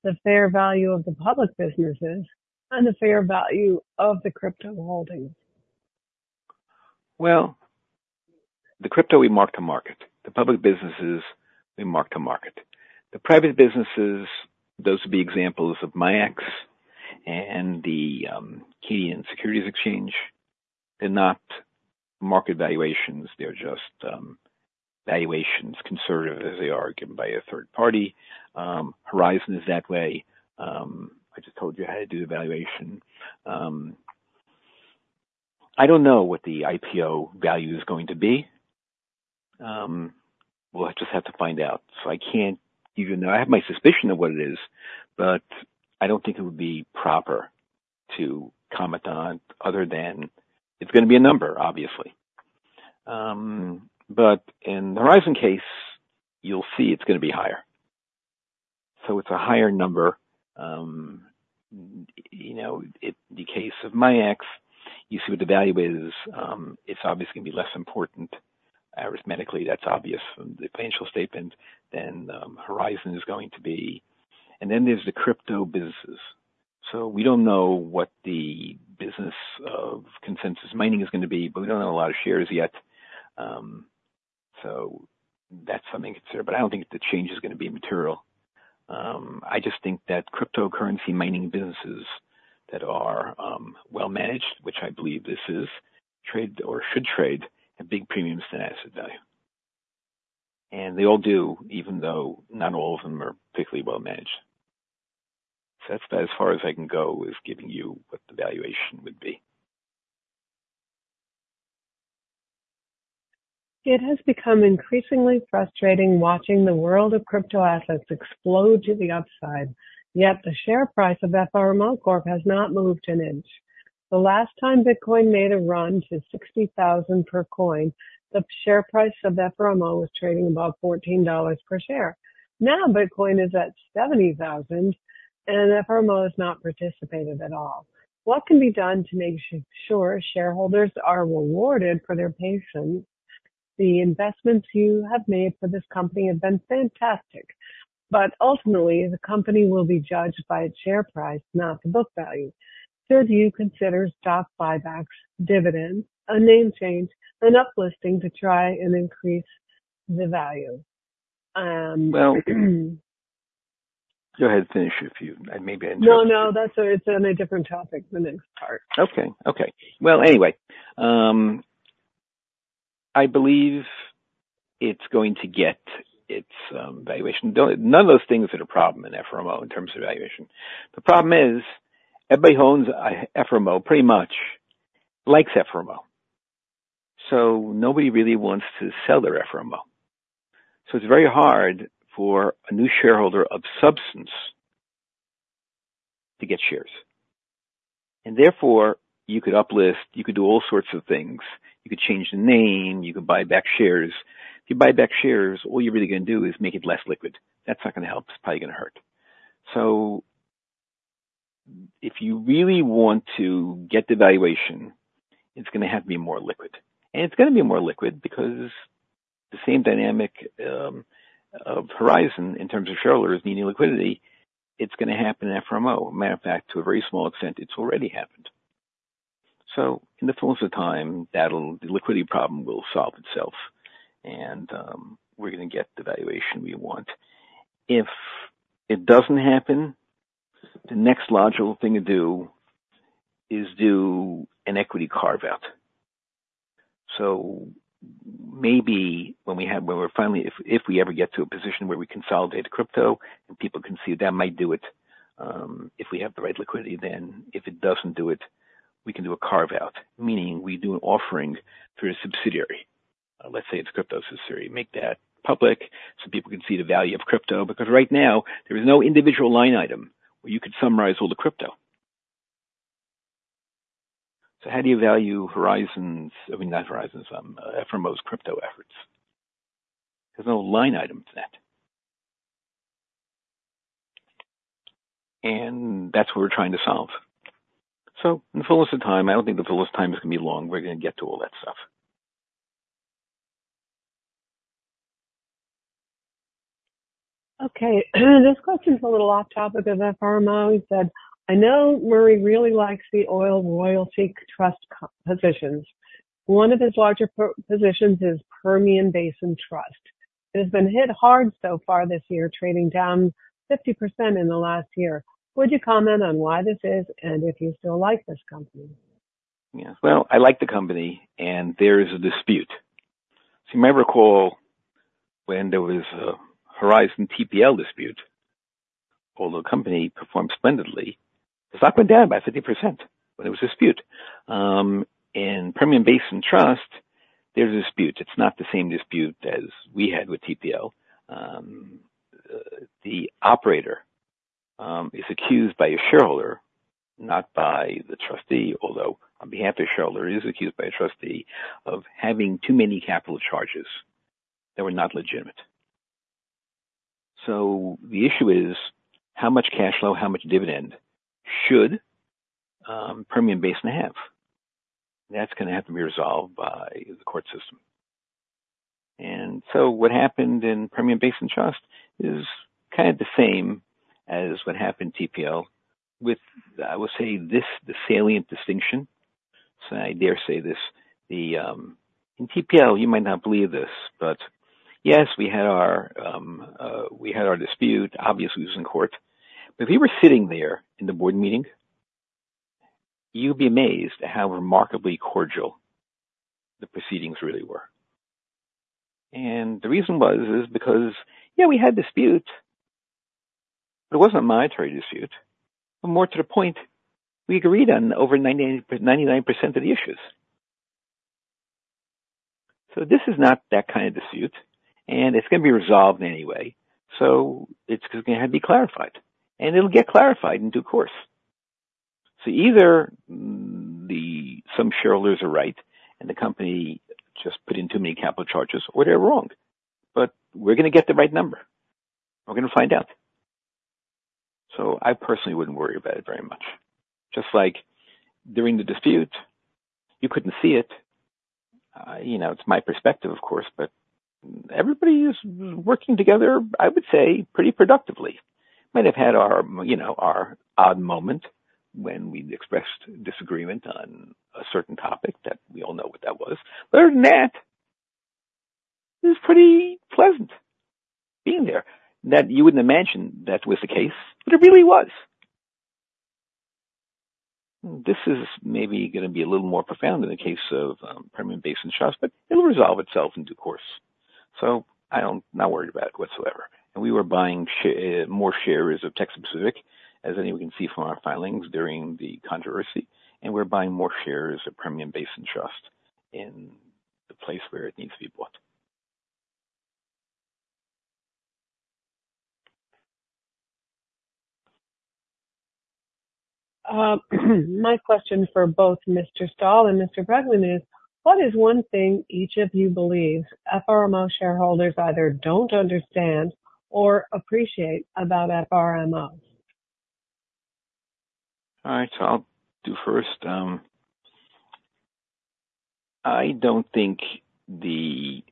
the fair value of the public businesses, and the fair value of the crypto holdings?
Well, the crypto we mark to market, the public businesses we mark to market. The private businesses, those would be examples of MIAX and the Canadian Securities Exchange. They're not market valuations. They're just valuations, conservative as they are, given by a third party. Horizon is that way. I just told you how to do the valuation. I don't know what the IPO value is going to be. We'll just have to find out. So I can't even though I have my suspicion of what it is, but I don't think it would be proper to comment on, other than it's gonna be a number, obviously. But in the Horizon case, you'll see it's gonna be higher. So it's a higher number. You know, in the case of MIAX, you see what the value is. It's obviously gonna be less important arithmetically. That's obvious from the financial statement than Horizon is going to be. And then there's the crypto businesses. So we don't know what the business of Consensus Mining is gonna be, but we don't own a lot of shares yet. So that's something to consider, but I don't think the change is gonna be material. I just think that cryptocurrency mining businesses that are well managed, which I believe this is, trade or should trade at big premiums than asset value. And they all do, even though not all of them are particularly well managed. So that's about as far as I can go with giving you what the valuation would be.
It has become increasingly frustrating watching the world of crypto assets explode to the upside, yet the share price of FRMO Corp has not moved an inch. The last time Bitcoin made a run to $60,000 per coin, the share price of FRMO was trading above $14 per share. Now, Bitcoin is at $70,000, and FRMO has not participated at all. What can be done to make sure shareholders are rewarded for their patience? The investments you have made for this company have been fantastic, but ultimately the company will be judged by its share price, not the book value. So do you consider stock buybacks, dividends, a name change, an uplisting to try and increase the value?
Well, go ahead and finish your view. I maybe interrupt you.
No, no. That's it. It's on a different topic, the next part.
Okay. Okay. Well, anyway, I believe it's going to get its valuation. None of those things are a problem in FRMO in terms of valuation. The problem is, everybody who owns FRMO pretty much likes FRMO, so nobody really wants to sell their FRMO. So it's very hard for a new shareholder of substance to get shares. And therefore, you could uplist, you could do all sorts of things. You could change the name, you could buy back shares. If you buy back shares, all you're really gonna do is make it less liquid. That's not gonna help. It's probably gonna hurt. So if you really want to get the valuation, it's gonna have to be more liquid, and it's gonna be more liquid because the same dynamic of Horizon in terms of shareholders needing liquidity, it's gonna happen in FRMO. Matter of fact, to a very small extent, it's already happened. So in the fullness of time, that'll, the liquidity problem will solve itself, and we're gonna get the valuation we want. If it doesn't happen, the next logical thing to do is do an equity carve-out. So maybe when we're finally, if we ever get to a position where we consolidate crypto and people can see it, that might do it. If we have the right liquidity, then if it doesn't do it, we can do a carve-out, meaning we do an offering through a subsidiary. Let's say it's crypto subsidiary, make that public so people can see the value of crypto, because right now there is no individual line item where you could summarize all the crypto. So how do you value Horizons? I mean, not Horizons, FRMO's crypto efforts. There's no line item for that. And that's what we're trying to solve. So in the fullest of time, I don't think the fullest time is gonna be long. We're gonna get to all that stuff.
Okay. This question is a little off topic of FRMO. He said, "I know Murray really likes the oil royalty trust positions. One of his larger positions is Permian Basin Trust. It has been hit hard so far this year, trading down 50% in the last year. Would you comment on why this is and if you still like this company?
Yeah. Well, I like the company, and there is a dispute. So you might recall when there was a Horizon TPL dispute, although the company performed splendidly, it's up and down by 50% when there was a dispute. And Permian Basin Trust, there's a dispute. It's not the same dispute as we had with TPL. The operator is accused by a shareholder, not by the trustee, although on behalf of the shareholder, he is accused by a trustee of having too many capital charges that were not legitimate. So the issue is, how much cash flow, how much dividend should Permian Basin have? That's gonna have to be resolved by the court system. And so what happened in Permian Basin Trust is kind of the same as what happened in TPL with, I will say this, the salient distinction. So I dare say this, the In TPL, you might not believe this, but yes, we had our dispute. Obviously, it was in court. But if you were sitting there in the board meeting, you'd be amazed at how remarkably cordial the proceedings really were. And the reason was, is because, yeah, we had disputes. It wasn't a monetary dispute, but more to the point, we agreed on over 99% of the issues. So this is not that kind of dispute, and it's gonna be resolved anyway. So it's gonna have to be clarified, and it'll get clarified in due course. So either some shareholders are right and the company just put in too many capital charges or they're wrong. But we're gonna get the right number. We're gonna find out. So I personally wouldn't worry about it very much. Just like during the dispute, you couldn't see it. You know, it's my perspective, of course, but everybody is working together, I would say, pretty productively. Might have had our, you know, our odd moment when we expressed disagreement on a certain topic that we all know what that was. But other than that, it was pretty pleasant being there. That you wouldn't imagine that was the case, but it really was. This is maybe gonna be a little more profound in the case of Permian Basin Trust, but it'll resolve itself in due course. So I don't not worried about it whatsoever. And we were buying more shares of Texas Pacific, as anyone can see from our filings during the controversy, and we're buying more shares of Permian Basin Trust in the place where it needs to be bought.
My question for both Mr. Stahl and Mr. Bregman is: What is one thing each of you believe FRMO shareholders either don't understand or appreciate about FRMO?
All right, so I'll do first. I don't think the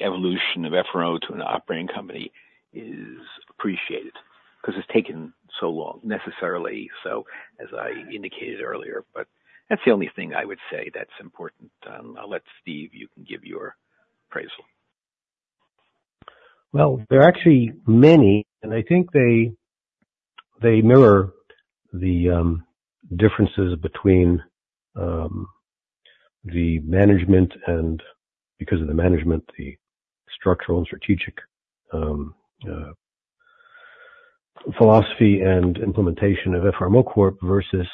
evolution of FRMO to an operating company is appreciated because it's taken so long, necessarily so, as I indicated earlier, but that's the only thing I would say that's important. I'll let Steve, you can give your appraisal.
Well, there are actually many, and I think they, they mirror the differences between the management and because of the management, the structural and strategic philosophy and implementation of FRMO Corp versus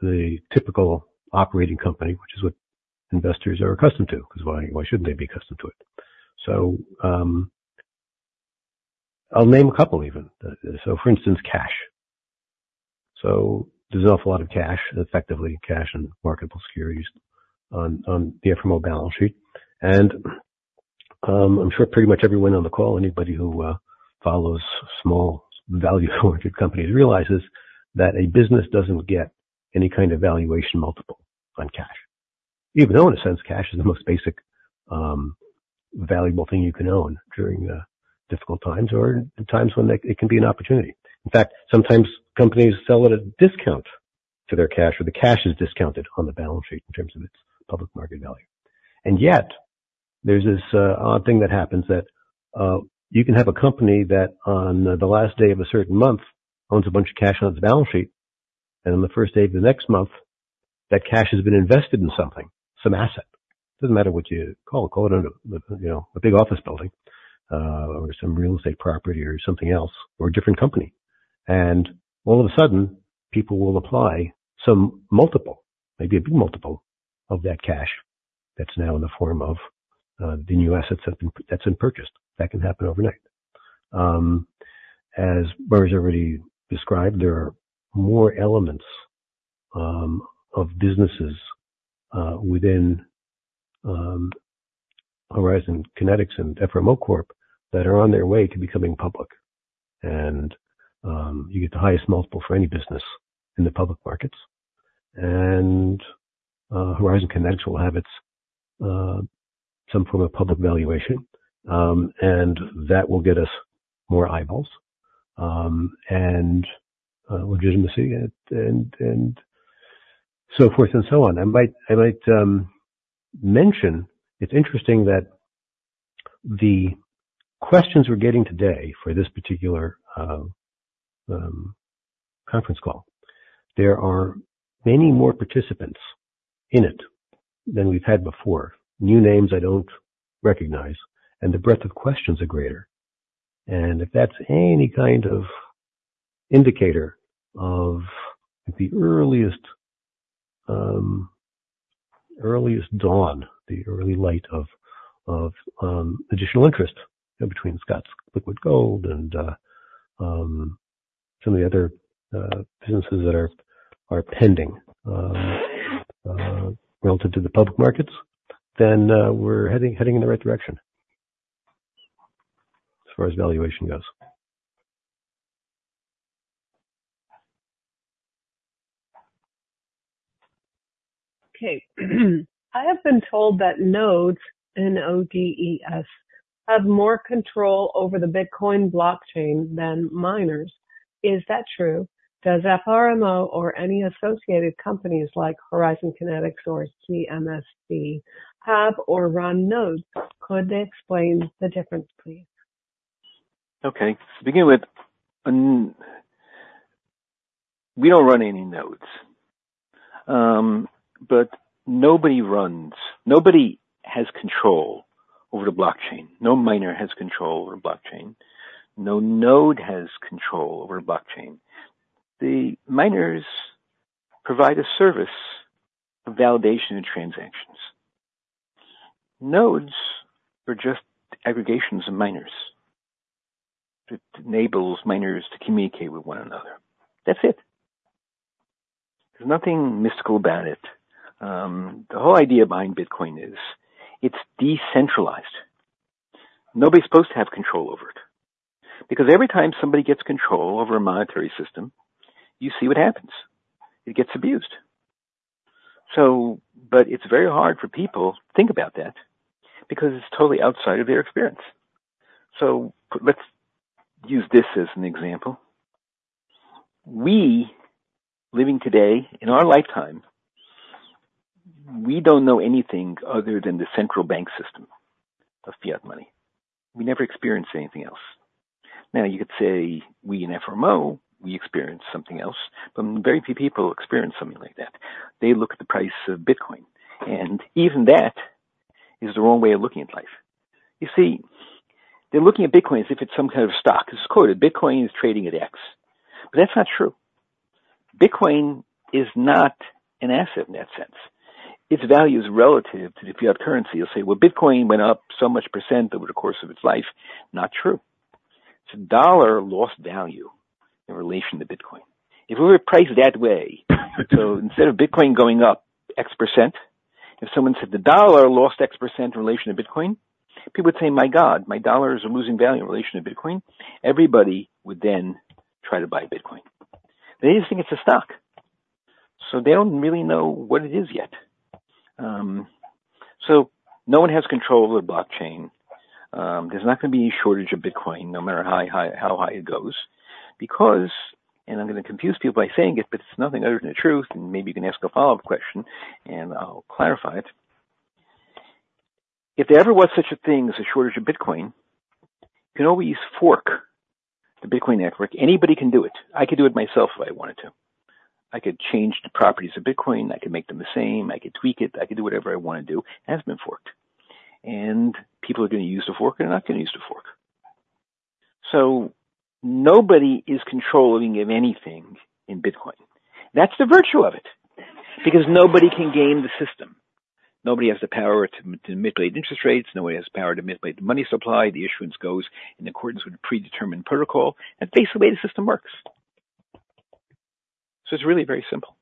the typical operating company, which is what investors are accustomed to, because why, why shouldn't they be accustomed to it? So, I'll name a couple even. So for instance, cash. So there's an awful lot of cash, effectively cash and marketable securities on the FRMO balance sheet. And, I'm sure pretty much everyone on the call, anybody who follows small, value-oriented companies, realizes that a business doesn't get any kind of valuation multiple on cash, even though in a sense, cash is the most basic valuable thing you can own during difficult times or the times when they it can be an opportunity. In fact, sometimes companies sell at a discount to their cash, or the cash is discounted on the balance sheet in terms of its public market value. And yet-... There's this, odd thing that happens that, you can have a company that on the last day of a certain month, owns a bunch of cash on its balance sheet, and on the first day of the next month, that cash has been invested in something, some asset. Doesn't matter what you call it. Call it a, you know, a big office building, or some real estate property or something else, or a different company. And all of a sudden, people will apply some multiple, maybe a big multiple, of that cash that's now in the form of, the new asset that's been, that's been purchased. That can happen overnight. As Murray's already described, there are more elements of businesses within Horizon Kinetics and FRMO Corp that are on their way to becoming public, and you get the highest multiple for any business in the public markets. Horizon Kinetics will have its some form of public valuation, and that will get us more eyeballs, and legitimacy and so forth and so on. I might mention it's interesting that the questions we're getting today for this particular conference call; there are many more participants in it than we've had before. New names I don't recognize, and the breadth of questions are greater. If that's any kind of indicator of the earliest dawn, the early light of additional interest between Scott's Liquid Gold and some of the other businesses that are pending relative to the public markets, then we're heading in the right direction as far as valuation goes.
Okay. I have been told that nodes, N-O-D-E-S, have more control over the Bitcoin blockchain than miners. Is that true? Does FRMO or any associated companies like Horizon Kinetics or TMSB, have or run nodes? Could they explain the difference, please?
Okay. To begin with, we don't run any nodes. Nobody has control over the blockchain. No miner has control over blockchain. No node has control over a blockchain. The miners provide a service of validation and transactions. Nodes are just aggregations of miners. It enables miners to communicate with one another. That's it. There's nothing mystical about it. The whole idea behind Bitcoin is it's decentralized. Nobody's supposed to have control over it, because every time somebody gets control over a monetary system, you see what happens. It gets abused. But it's very hard for people to think about that because it's totally outside of their experience. So let's use this as an example. We, living today in our lifetime, we don't know anything other than the central bank system of fiat money. We never experienced anything else. Now, you could say we in FRMO, we experienced something else, but very few people experience something like that. They look at the price of Bitcoin, and even that is the wrong way of looking at life. You see, they're looking at Bitcoin as if it's some kind of stock. It's quoted, Bitcoin is trading at X, but that's not true. Bitcoin is not an asset in that sense. Its value is relative to the fiat currency. You'll say, "Well, Bitcoin went up so much% over the course of its life." Not true. It's a dollar lost value in relation to Bitcoin. If we were to price it that way, so instead of Bitcoin going up X%, if someone said the dollar lost X% in relation to Bitcoin, people would say, "My God, my dollars are losing value in relation to Bitcoin." Everybody would then try to buy Bitcoin. They just think it's a stock, so they don't really know what it is yet. So no one has control over the blockchain. There's not gonna be any shortage of Bitcoin, no matter how high it goes, because, and I'm gonna confuse people by saying it, but it's nothing other than the truth, and maybe you can ask a follow-up question and I'll clarify it. If there ever was such a thing as a shortage of Bitcoin, you can always fork the Bitcoin network. Anybody can do it. I could do it myself if I wanted to. I could change the properties of Bitcoin. I could make them the same. I could tweak it. I could do whatever I want to do, it has been forked, and people are gonna use the fork, and are not gonna use the fork. So nobody is controlling of anything in Bitcoin. That's the virtue of it, because nobody can game the system. Nobody has the power to, to manipulate interest rates. Nobody has the power to manipulate the money supply. The issuance goes in accordance with a predetermined protocol, and that's the way the system works. So it's really very simple.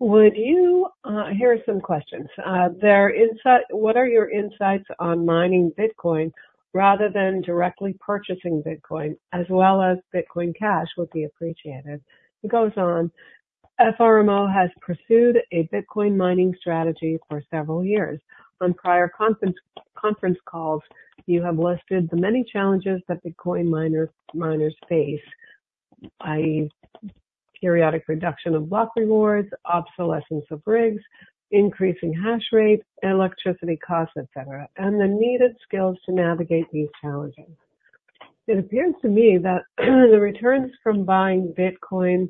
Would you... Here are some questions. Their insight- What are your insights on mining Bitcoin rather than directly purchasing Bitcoin, as well as Bitcoin Cash, would be appreciated. It goes on.... FRMO has pursued a Bitcoin mining strategy for several years. On prior conference, conference calls, you have listed the many challenges that Bitcoin miner, miners face, i.e., periodic reduction of block rewards, obsolescence of rigs, increasing hash rate, electricity costs, et cetera, and the needed skills to navigate these challenges. It appears to me that the returns from buying Bitcoin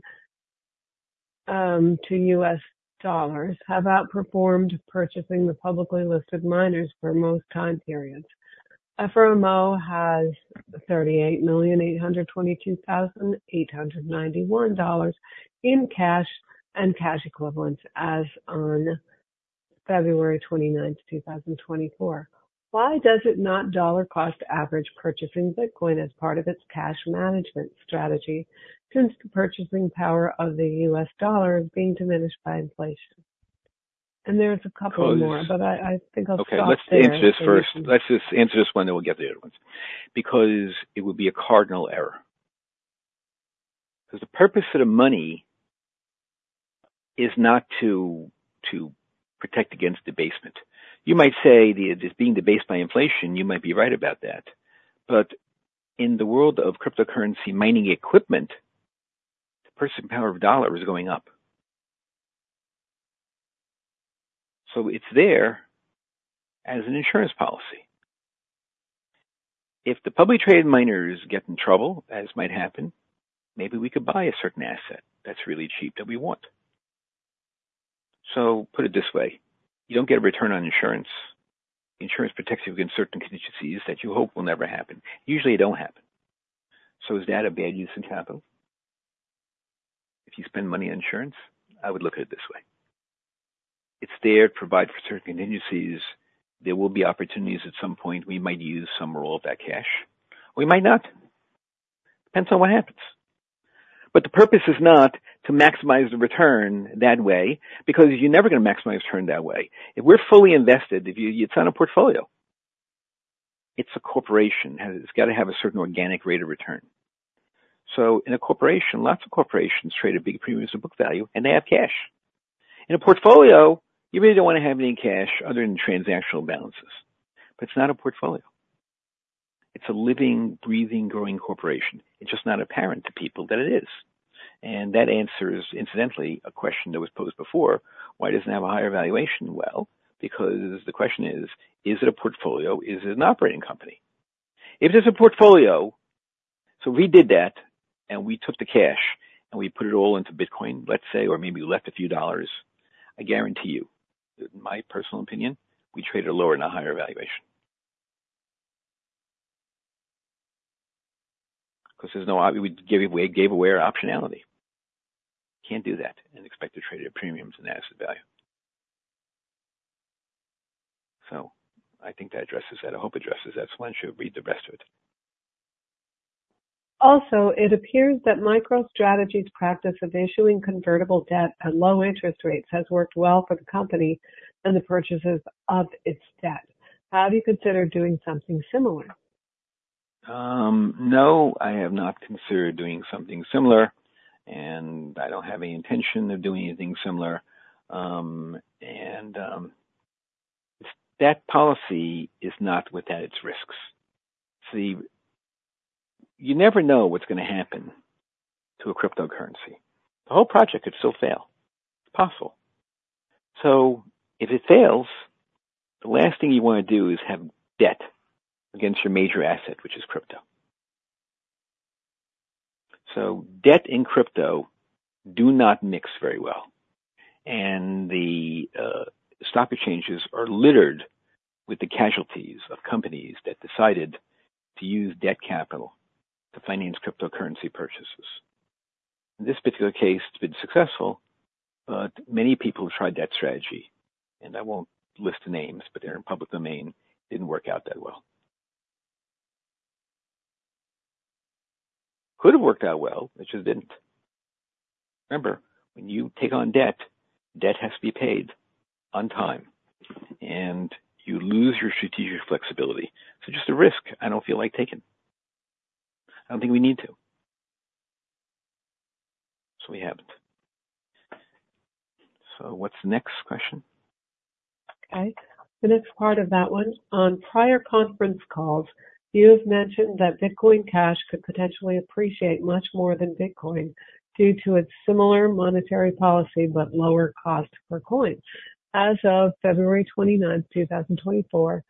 to U.S. dollars have outperformed purchasing the publicly listed miners for most time periods. FRMO has $38,822,891 in cash and cash equivalents as on February twenty-ninth, 2024. Why does it not dollar cost average purchasing Bitcoin as part of its cash management strategy, since the purchasing power of the U.S. dollar is being diminished by inflation? And there's a couple more, but I, I think I'll stop there.
Okay, let's answer this first. Let's just answer this one, then we'll get the other ones. Because it would be a cardinal error. Because the purpose of the money is not to, to protect against debasement. You might say it's being debased by inflation. You might be right about that, but in the world of cryptocurrency mining equipment, the purchasing power of dollar is going up. So it's there as an insurance policy. If the publicly traded miners get in trouble, as might happen, maybe we could buy a certain asset that's really cheap, that we want. So put it this way, you don't get a return on insurance. Insurance protects you against certain contingencies that you hope will never happen. Usually, they don't happen. So is that a bad use of capital, if you spend money on insurance? I would look at it this way: It's there to provide for certain contingencies. There will be opportunities at some point, we might use some or all of that cash. We might not. Depends on what happens. But the purpose is not to maximize the return that way, because you're never going to maximize return that way. If we're fully invested, it's not a portfolio, it's a corporation, and it's got to have a certain organic rate of return. So in a corporation, lots of corporations trade at big premiums of book value, and they have cash. In a portfolio, you really don't want to have any cash other than transactional balances. But it's not a portfolio. It's a living, breathing, growing corporation. It's just not apparent to people that it is. And that answers, incidentally, a question that was posed before: Why doesn't it have a higher valuation? Well, because the question is, is it a portfolio? Is it an operating company? If this is a portfolio, so we did that, and we took the cash, and we put it all into Bitcoin, let's say, or maybe we left a few dollars, I guarantee you, that, my personal opinion, we trade at a lower, not higher valuation. Because there's no obvious we gave away our optionality. Can't do that and expect to trade at premiums and asset value. So I think that addresses that. I hope that addresses that. So why don't you read the rest of it.
Also, it appears that MicroStrategy's practice of issuing convertible debt at low interest rates has worked well for the company and the purchases of its debt. Have you considered doing something similar?
No, I have not considered doing something similar, and I don't have any intention of doing anything similar. That policy is not without its risks. See, you never know what's going to happen to a cryptocurrency. The whole project could still fail. It's possible. So if it fails, the last thing you want to do is have debt against your major asset, which is crypto. So debt and crypto do not mix very well, and the stock exchanges are littered with the casualties of companies that decided to use debt capital to finance cryptocurrency purchases. This particular case, it's been successful, but many people tried that strategy, and I won't list the names, but they're in the public domain. Didn't work out that well. Could have worked out well, it just didn't. Remember, when you take on debt, debt has to be paid on time and you lose your strategic flexibility. So just a risk I don't feel like taking. I don't think we need to. So we haven't. So what's the next question?
Okay, the next part of that one. On prior conference calls, you have mentioned that Bitcoin Cash could potentially appreciate much more than Bitcoin due to its similar monetary policy but lower cost per coin. As of February 29, 2024,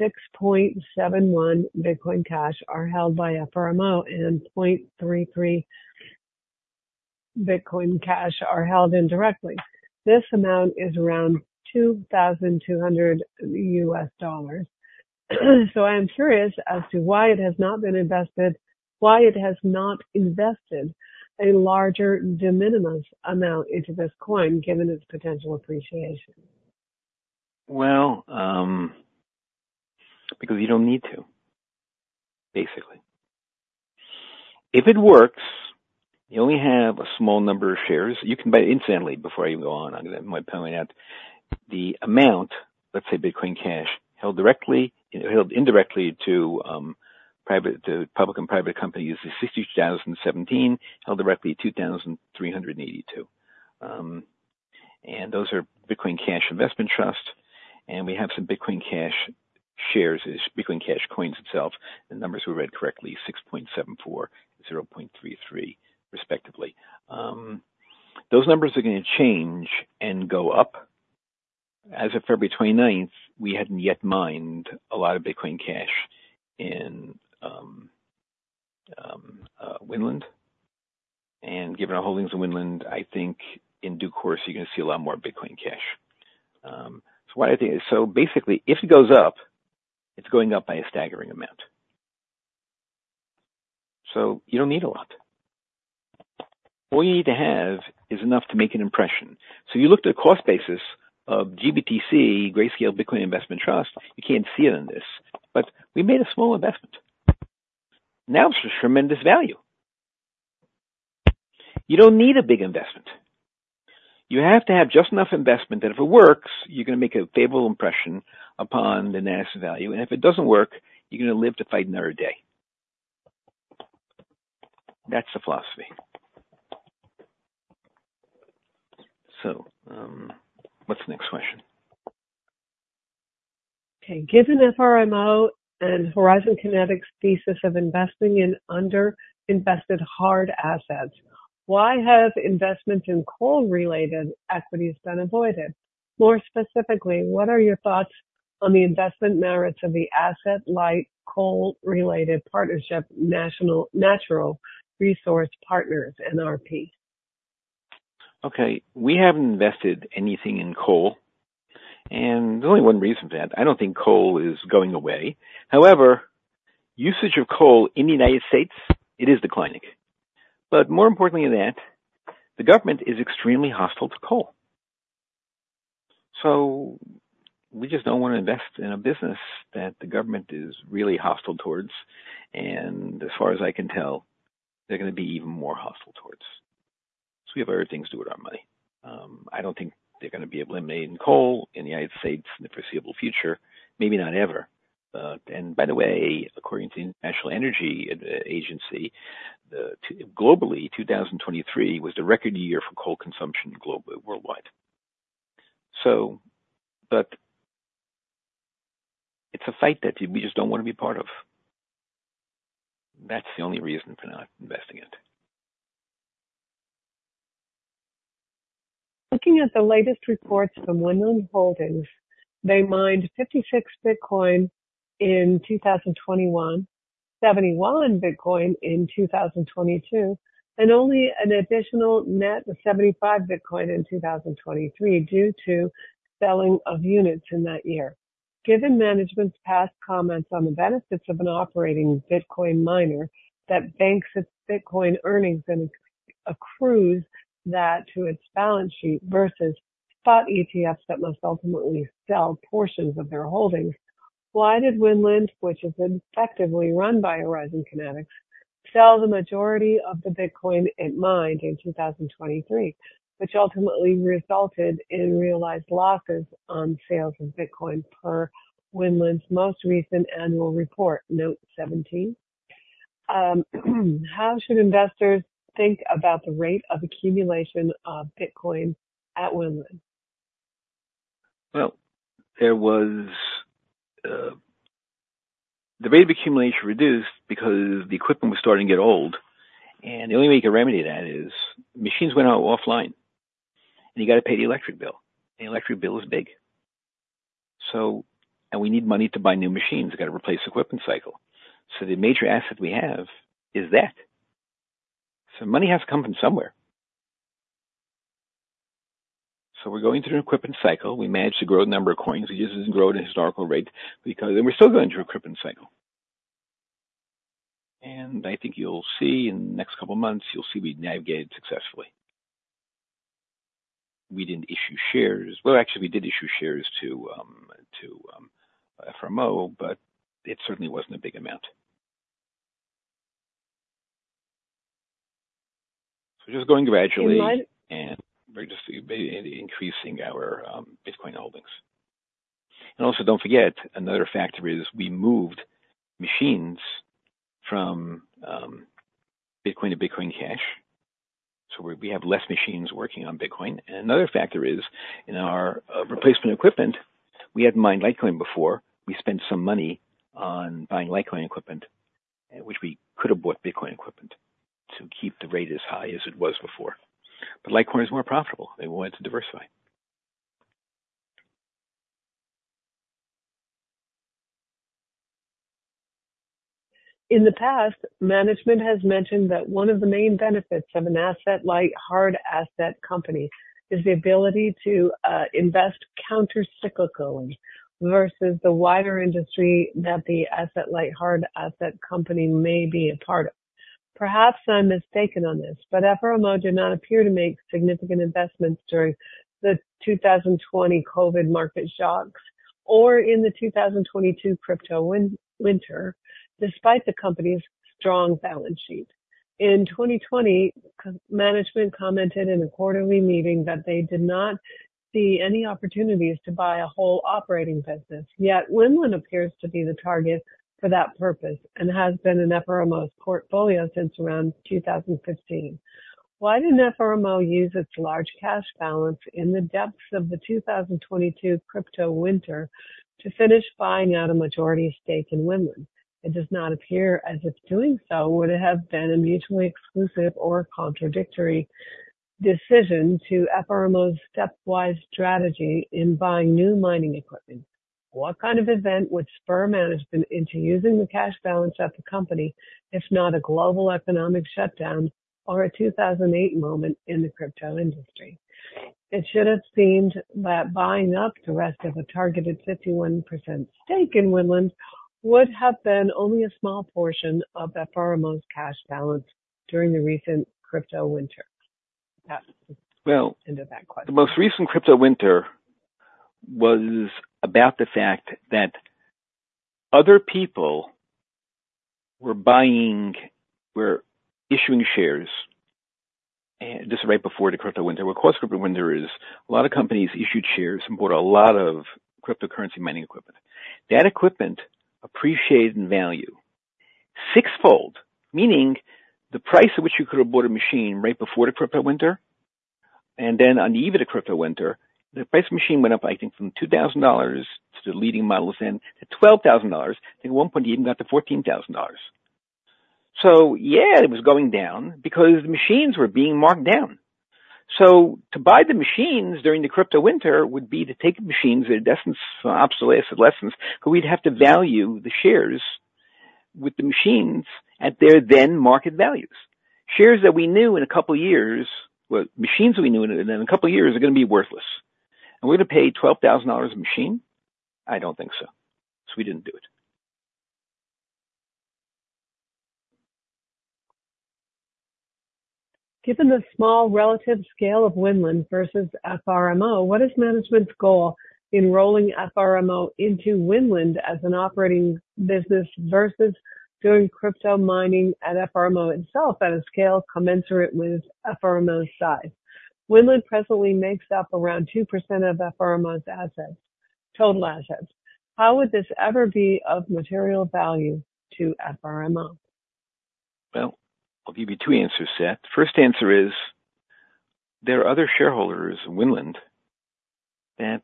6.71 Bitcoin Cash are held by FRMO and 0.33 Bitcoin Cash are held indirectly. This amount is around $2,200. So I'm curious as to why it has not been invested—why it has not invested a larger de minimis amount into this coin, given its potential appreciation.
Well, because you don't need to, basically. If it works, you only have a small number of shares. You can buy it instantly. Before I even go on, I'm gonna might point out. The amount, let's say Bitcoin Cash, held directly-held indirectly to private, to public and private companies is 62,017, held directly 2,382. And those are Bitcoin Cash investment trusts, and we have some Bitcoin Cash shares, Bitcoin Cash coins itself. The numbers were read correctly, 6.74, 0.33, respectively. Those numbers are gonna change and go up. As of February 29, we hadn't yet mined a lot of Bitcoin Cash in Winland. And given our holdings in Winland, I think in due course, you're gonna see a lot more Bitcoin Cash. So what I think is, so basically, if it goes up, it's going up by a staggering amount. So you don't need a lot. All you need to have is enough to make an impression. So you looked at the cost basis of GBTC, Grayscale Bitcoin Investment Trust. You can't see it in this, but we made a small investment. Now, it's a tremendous value. You don't need a big investment. You have to have just enough investment that if it works, you're gonna make a favorable impression upon the net asset value, and if it doesn't work, you're gonna live to fight another day. That's the philosophy. So, what's the next question?
Okay, given FRMO and Horizon Kinetics' thesis of investing in under-invested hard assets, why have investments in coal-related equities been avoided? More specifically, what are your thoughts on the investment merits of the asset light coal-related partnership, Natural Resource Partners, NRP?
Okay, we haven't invested anything in coal, and there's only one reason for that. I don't think coal is going away. However, usage of coal in the United States, it is declining. But more importantly than that, the government is extremely hostile to coal. So we just don't want to invest in a business that the government is really hostile towards, and as far as I can tell, they're gonna be even more hostile towards. So we have other things to do with our money. I don't think they're gonna be able to maintain coal in the United States in the foreseeable future, maybe not ever. And by the way, according to the International Energy Agency, globally, 2023 was the record year for coal consumption globally, worldwide. So, but it's a fight that we just don't want to be part of. That's the only reason for not investing it.
Looking at the latest reports from Winland Holdings, they mined 56 Bitcoin in 2021, 71 Bitcoin in 2022, and only an additional net of 75 Bitcoin in 2023, due to selling of units in that year. Given management's past comments on the benefits of an operating Bitcoin miner, that banks its Bitcoin earnings and accrues that to its balance sheet versus spot ETFs that must ultimately sell portions of their holdings, why did Winland, which is effectively run by Horizon Kinetics, sell the majority of the Bitcoin it mined in 2023, which ultimately resulted in realized losses on sales of Bitcoin, per Winland's most recent annual report, note 17? How should investors think about the rate of accumulation of Bitcoin at Winland?
Well, there was. The rate of accumulation reduced because the equipment was starting to get old, and the only way you can remedy that is machines went out offline, and you got to pay the electric bill. The electric bill is big. So, and we need money to buy new machines. We've got to replace the equipment cycle. So the major asset we have is that. So money has to come from somewhere. So we're going through an equipment cycle. We managed to grow the number of coins. It just doesn't grow at a historical rate because. And we're still going through an equipment cycle. And I think you'll see in the next couple of months, you'll see we navigated successfully. We didn't issue shares. Well, actually, we did issue shares to FRMO, but it certainly wasn't a big amount. So just going gradually-
In what?
and we're just increasing our Bitcoin holdings. And also, don't forget, another factor is we moved machines from Bitcoin to Bitcoin Cash, so we, we have less machines working on Bitcoin. And another factor is, in our replacement equipment, we had mined Litecoin before. We spent some money on buying Litecoin equipment, which we could have bought Bitcoin equipment to keep the rate as high as it was before. But Litecoin is more profitable. They wanted to diversify.
In the past, management has mentioned that one of the main benefits of an asset like hard asset company, is the ability to invest countercyclically versus the wider industry that the asset-light hard asset company may be a part of. Perhaps I'm mistaken on this, but FRMO did not appear to make significant investments during the 2020 COVID market shocks or in the 2022 crypto winter, despite the company's strong balance sheet. In 2020, management commented in a quarterly meeting that they did not see any opportunities to buy a whole operating business, yet Winland appears to be the target for that purpose and has been in FRMO's portfolio since around 2015. Why didn't FRMO use its large cash balance in the depths of the 2022 crypto winter to finish buying out a majority stake in Winland? It does not appear as if doing so would have been a mutually exclusive or contradictory decision to FRMO's stepwise strategy in buying new mining equipment. What kind of event would spur management into using the cash balance of the company, if not a global economic shutdown or a 2008 moment in the crypto industry? It should have seemed that buying up the rest of a targeted 51% stake in Winland would have been only a small portion of FRMO's cash balance during the recent crypto winter. That's the-
Well-
End of that question.
The most recent crypto winter was about the fact that other people were buying, were issuing shares, and just right before the crypto winter. Of course, crypto winter is a lot of companies issued shares and bought a lot of cryptocurrency mining equipment. That equipment appreciated in value sixfold, meaning the price at which you could have bought a machine right before the crypto winter, and then on the eve of the crypto winter, the price of the machine went up, I think, from $2,000 to the leading models in, to $12,000. At one point, it even got to $14,000. So yeah, it was going down because the machines were being marked down. So to buy the machines during the crypto winter would be to take the machines at a distance, obsolescence, but we'd have to value the shares with the machines at their then market values. Shares that we knew in a couple of years, well, machines we knew in a couple of years are gonna be worthless, and we're gonna pay $12,000 a machine? I don't think so. So we didn't do it.
Given the small relative scale of Winland versus FRMO, what is management's goal in rolling FRMO into Winland as an operating business versus doing crypto mining at FRMO itself at a scale commensurate with FRMO's size? Winland presently makes up around 2% of FRMO's assets, total assets. How would this ever be of material value to FRMO?
Well, I'll give you two answers, Seth. First answer is, there are other shareholders in Winland that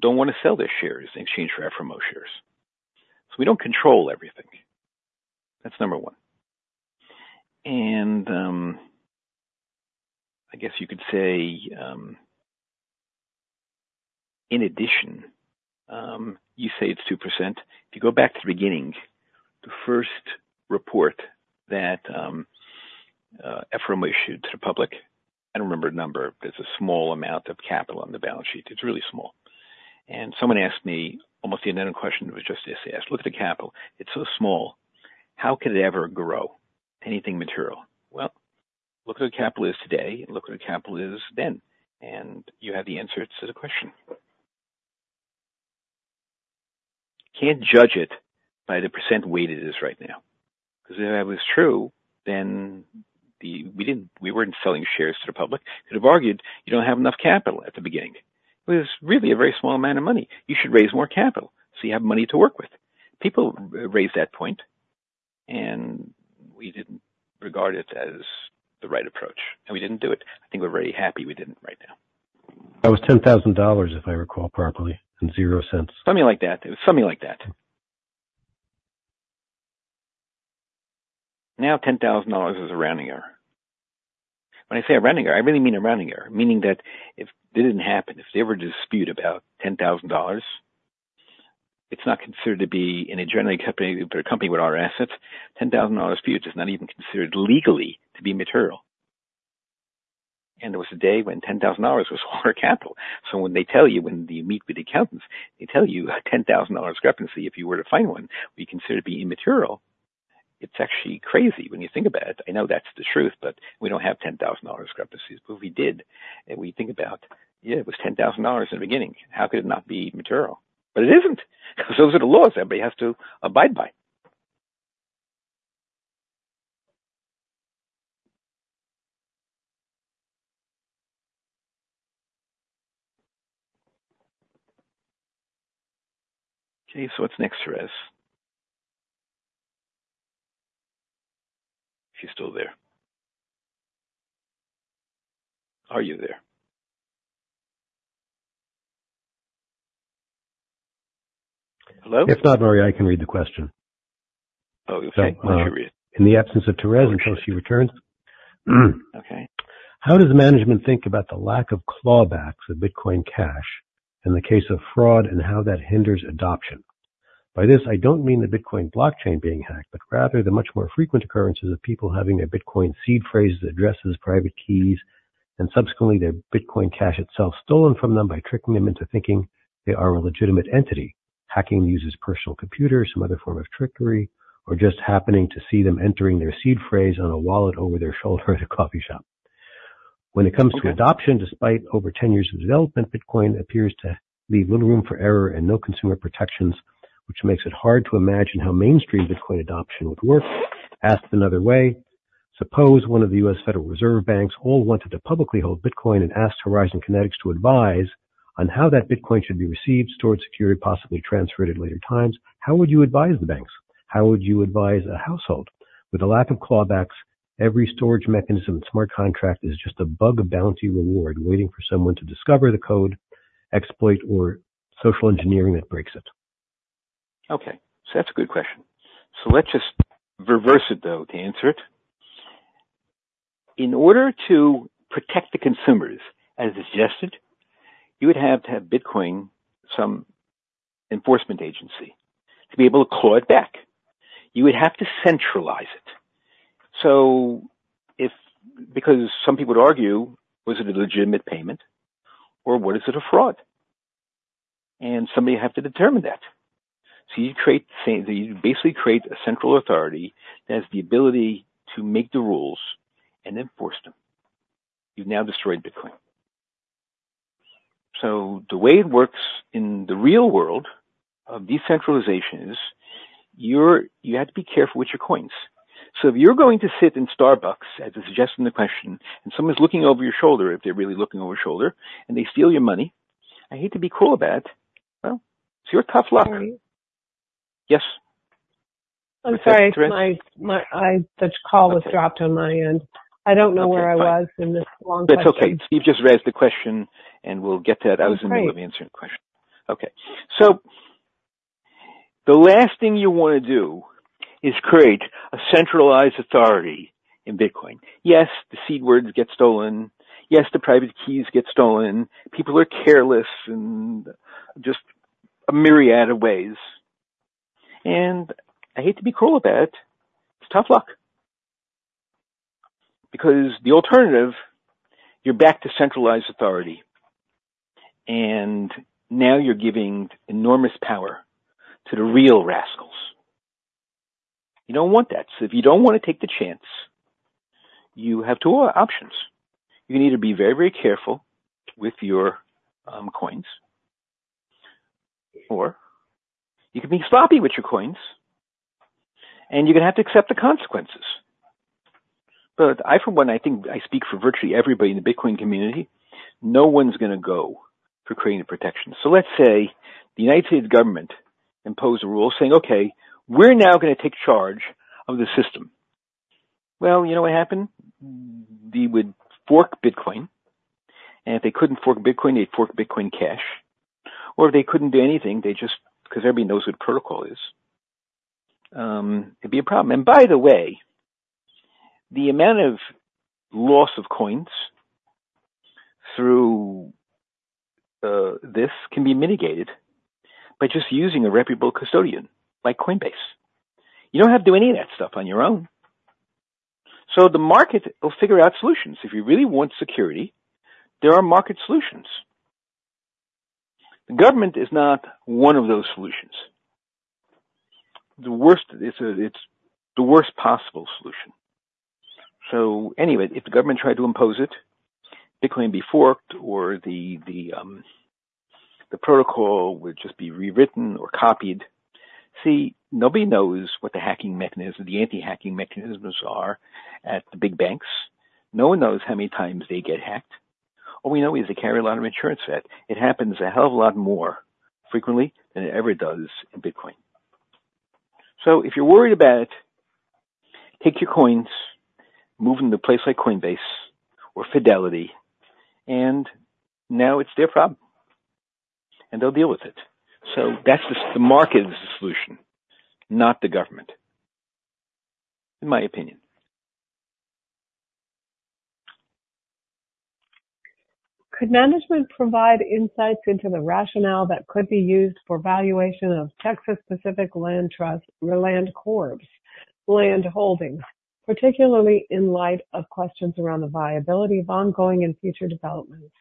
don't want to sell their shares in exchange for FRMO shares. So we don't control everything. That's number one. And, I guess you could say, in addition, you say it's 2%. If you go back to the beginning, the first report that FRMO issued to the public, I don't remember the number. There's a small amount of capital on the balance sheet. It's really small. And someone asked me almost the identical question, it was just this. They asked, "Look at the capital. It's so small, how could it ever grow anything material?" Well, look at what the capital is today and look what the capital is then, and you have the answer to the question. You can't judge it by the percent weight it is right now, because if that was true, then we didn't, we weren't selling shares to the public. They'd have argued, "You don't have enough capital at the beginning. It was really a very small amount of money. You should raise more capital, so you have money to work with." People raised that point, and we didn't regard it as the right approach, and we didn't do it. I think we're very happy we didn't right now.
That was $10,000, if I recall properly, and 0 cents.
Something like that. It was something like that. Now, $10,000 is a rounding error. When I say a rounding error, I really mean a rounding error, meaning that if it didn't happen, if there were a dispute about $10,000, it's not considered to be in a general company, a company with our assets, $10,000 dispute is not even considered legally to be material. There was a day when $10,000 was all our capital. When they tell you, when you meet with the accountants, they tell you a $10,000 discrepancy, if you were to find one, we consider to be immaterial. It's actually crazy when you think about it. I know that's the truth, but we don't have $10,000 discrepancies. But we did, and we think about, "Yeah, it was $10,000 in the beginning. How could it not be material?" But it isn't, because those are the laws everybody has to abide by. Okay, so what's next, Therese? She's still there. Are you there? Hello?
If not, Murray, I can read the question.
Oh, okay.
So, uh-
You read it.
In the absence of Therese until she returns.
Okay.
How does management think about the lack of clawbacks of Bitcoin Cash in the case of fraud and how that hinders adoption? By this, I don't mean the Bitcoin blockchain being hacked, but rather the much more frequent occurrences of people having their Bitcoin seed phrases, addresses, private keys, and subsequently their Bitcoin Cash itself stolen from them by tricking them into thinking they are a legitimate entity. Hacking the user's personal computer, some other form of trickery, or just happening to see them entering their seed phrase on a wallet over their shoulder at a coffee shop... When it comes to adoption, despite over 10 years of development, Bitcoin appears to leave little room for error and no consumer protections, which makes it hard to imagine how mainstream Bitcoin adoption would work. Asked another way, suppose one of the U.S. Federal Reserve banks all wanted to publicly hold Bitcoin and asked Horizon Kinetics to advise on how that Bitcoin should be received, stored, secured, possibly transferred at later times. How would you advise the banks? How would you advise a household? With a lack of clawbacks, every storage mechanism and smart contract is just a bug, a bounty reward, waiting for someone to discover the code, exploit, or social engineering that breaks it.
Okay, so that's a good question. So let's just reverse it, though, to answer it. In order to protect the consumers, as suggested, you would have to have Bitcoin, some enforcement agency, to be able to claw it back. You would have to centralize it. So, because some people would argue, was it a legitimate payment or was it a fraud? And somebody have to determine that. So you basically create a central authority that has the ability to make the rules and enforce them. You've now destroyed Bitcoin. So the way it works in the real world of decentralization is, you have to be careful with your coins. So if you're going to sit in Starbucks, as is suggested in the question, and someone's looking over your shoulder, if they're really looking over your shoulder and they steal your money, I hate to be cruel about it. Well, so you're tough luck. Yes?
I'm sorry, the call was dropped on my end. I don't know where I was in this long question.
That's okay. You've just raised the question, and we'll get to that. I was in the middle of answering the question. Okay. So the last thing you want to do is create a centralized authority in Bitcoin. Yes, the seed words get stolen. Yes, the private keys get stolen. People are careless in just a myriad of ways, and I hate to be cruel about it. It's tough luck, because the alternative, you're back to centralized authority, and now you're giving enormous power to the real rascals. You don't want that. So if you don't want to take the chance, you have two options. You can either be very, very careful with your coins, or you can be sloppy with your coins, and you're gonna have to accept the consequences. But I, for one, I think I speak for virtually everybody in the Bitcoin community; no one's gonna go for creating a protection. So let's say the United States government imposed a rule saying, "Okay, we're now gonna take charge of the system." Well, you know what happened? They would fork Bitcoin, and if they couldn't fork Bitcoin, they'd fork Bitcoin Cash, or if they couldn't do anything, they just... because everybody knows what protocol is, it'd be a problem. And by the way, the amount of loss of coins through this can be mitigated by just using a reputable custodian like Coinbase. You don't have to do any of that stuff on your own. So the market will figure out solutions. If you really want security, there are market solutions. The government is not one of those solutions. The worst, it's the worst possible solution. So anyway, if the government tried to impose it, Bitcoin would be forked, or the protocol would just be rewritten or copied. See, nobody knows what the hacking mechanism, the anti-hacking mechanisms are at the big banks. No one knows how many times they get hacked. All we know is they carry a lot of insurance that it happens a hell of a lot more frequently than it ever does in Bitcoin. So if you're worried about it, take your coins, move them to a place like Coinbase or Fidelity, and now it's their problem, and they'll deal with it. So that's the market is the solution, not the government, in my opinion.
Could management provide insights into the rationale that could be used for valuation of Texas Pacific Land Trust or Land Corp's Land Holdings, particularly in light of questions around the viability of ongoing and future developments?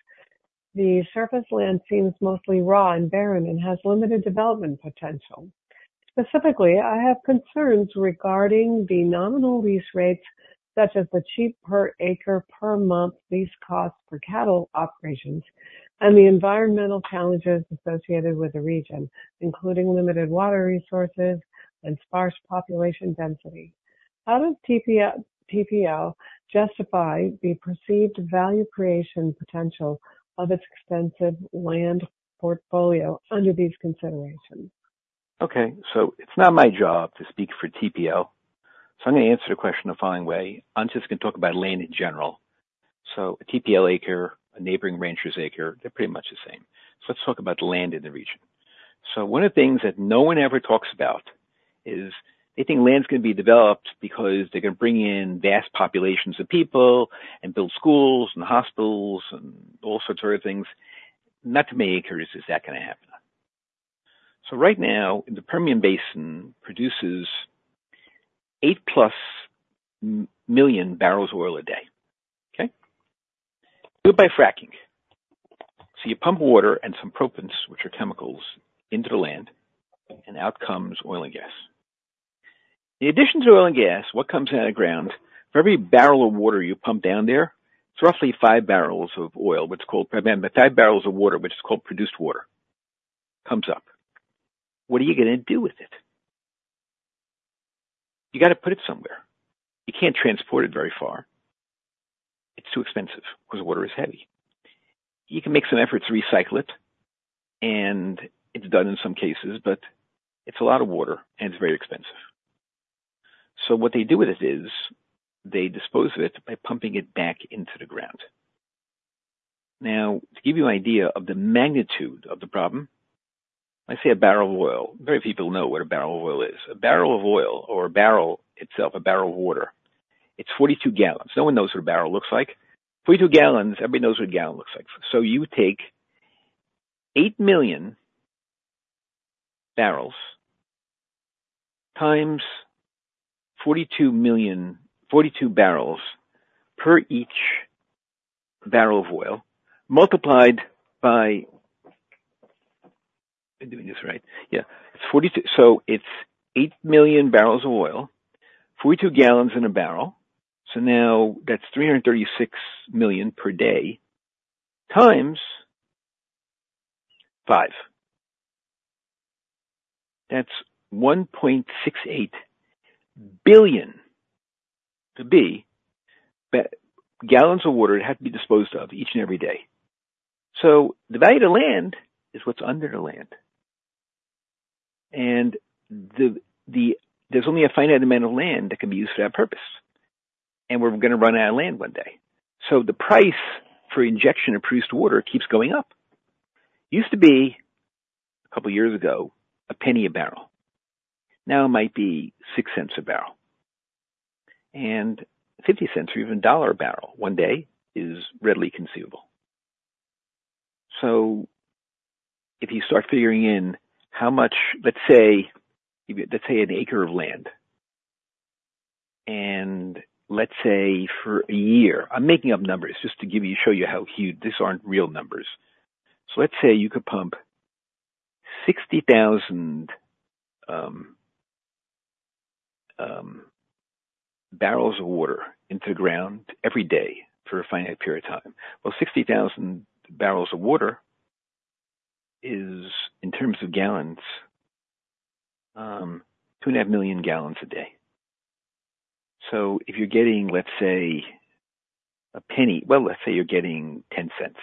The surface land seems mostly raw and barren and has limited development potential. Specifically, I have concerns regarding the nominal lease rates, such as the cheap per acre, per month lease costs for cattle operations and the environmental challenges associated with the region, including limited water resources and sparse population density. How does TPL justify the perceived value creation potential of its extensive land portfolio under these considerations?
Okay, so it's not my job to speak for TPL, so I'm going to answer the question the following way. I'm just going to talk about land in general. So a TPL acre, a neighboring rancher's acre, they're pretty much the same. So let's talk about the land in the region. So one of the things that no one ever talks about is they think land's going to be developed because they're going to bring in vast populations of people and build schools and hospitals and all sorts of other things. Not too many acres is that going to happen. So right now, the Permian Basin produces 8+ million barrels of oil a day. Okay? Built by fracking. So you pump water and some proppants, which are chemicals, into the land, and out comes oil and gas. In addition to oil and gas, what comes out of the ground, for every barrel of water you pump down there, it's roughly five barrels of oil, what's called, but five barrels of water, which is called produced water, comes up. What are you gonna do with it? You got to put it somewhere. You can't transport it very far. It's too expensive because water is heavy. You can make some effort to recycle it, and it's done in some cases, but it's a lot of water and it's very expensive. So what they do with it is, they dispose of it by pumping it back into the ground. Now, to give you an idea of the magnitude of the problem, let's say a barrel of oil. Many people know what a barrel of oil is. A barrel of oil or a barrel itself, a barrel of water. It's 42 gallons. No one knows what a barrel looks like. 42 gallons. Everybody knows what a gallon looks like. So you take 8 million barrels x 42 million, 42 barrels per each barrel of oil, multiplied by... Am I doing this right? Yeah, it's 42. So it's 8 million barrels of oil, 42 gallons in a barrel. So now that's 336 million per day, x 5. That's 1.68 billion, to B, gallons of water that have to be disposed of each and every day. So the value of the land is what's under the land. And the-- there's only a finite amount of land that can be used for that purpose, and we're going to run out of land one day. So the price for injection of produced water keeps going up. Used to be, a couple of years ago, $0.01 a barrel. Now it might be six cents a barrel. And 50 cents or even $1 a barrel one day is readily conceivable. So if you start figuring in how much, let's say, let's say an acre of land, and let's say for a year. I'm making up numbers just to give you, show you how huge. These aren't real numbers. So let's say you could pump 60,000 barrels of water into the ground every day for a finite period of time. Well, 60,000 barrels of water is, in terms of gallons, 2.5 million gallons a day. So if you're getting, let's say, $0.01, well, let's say you're getting 10 cents,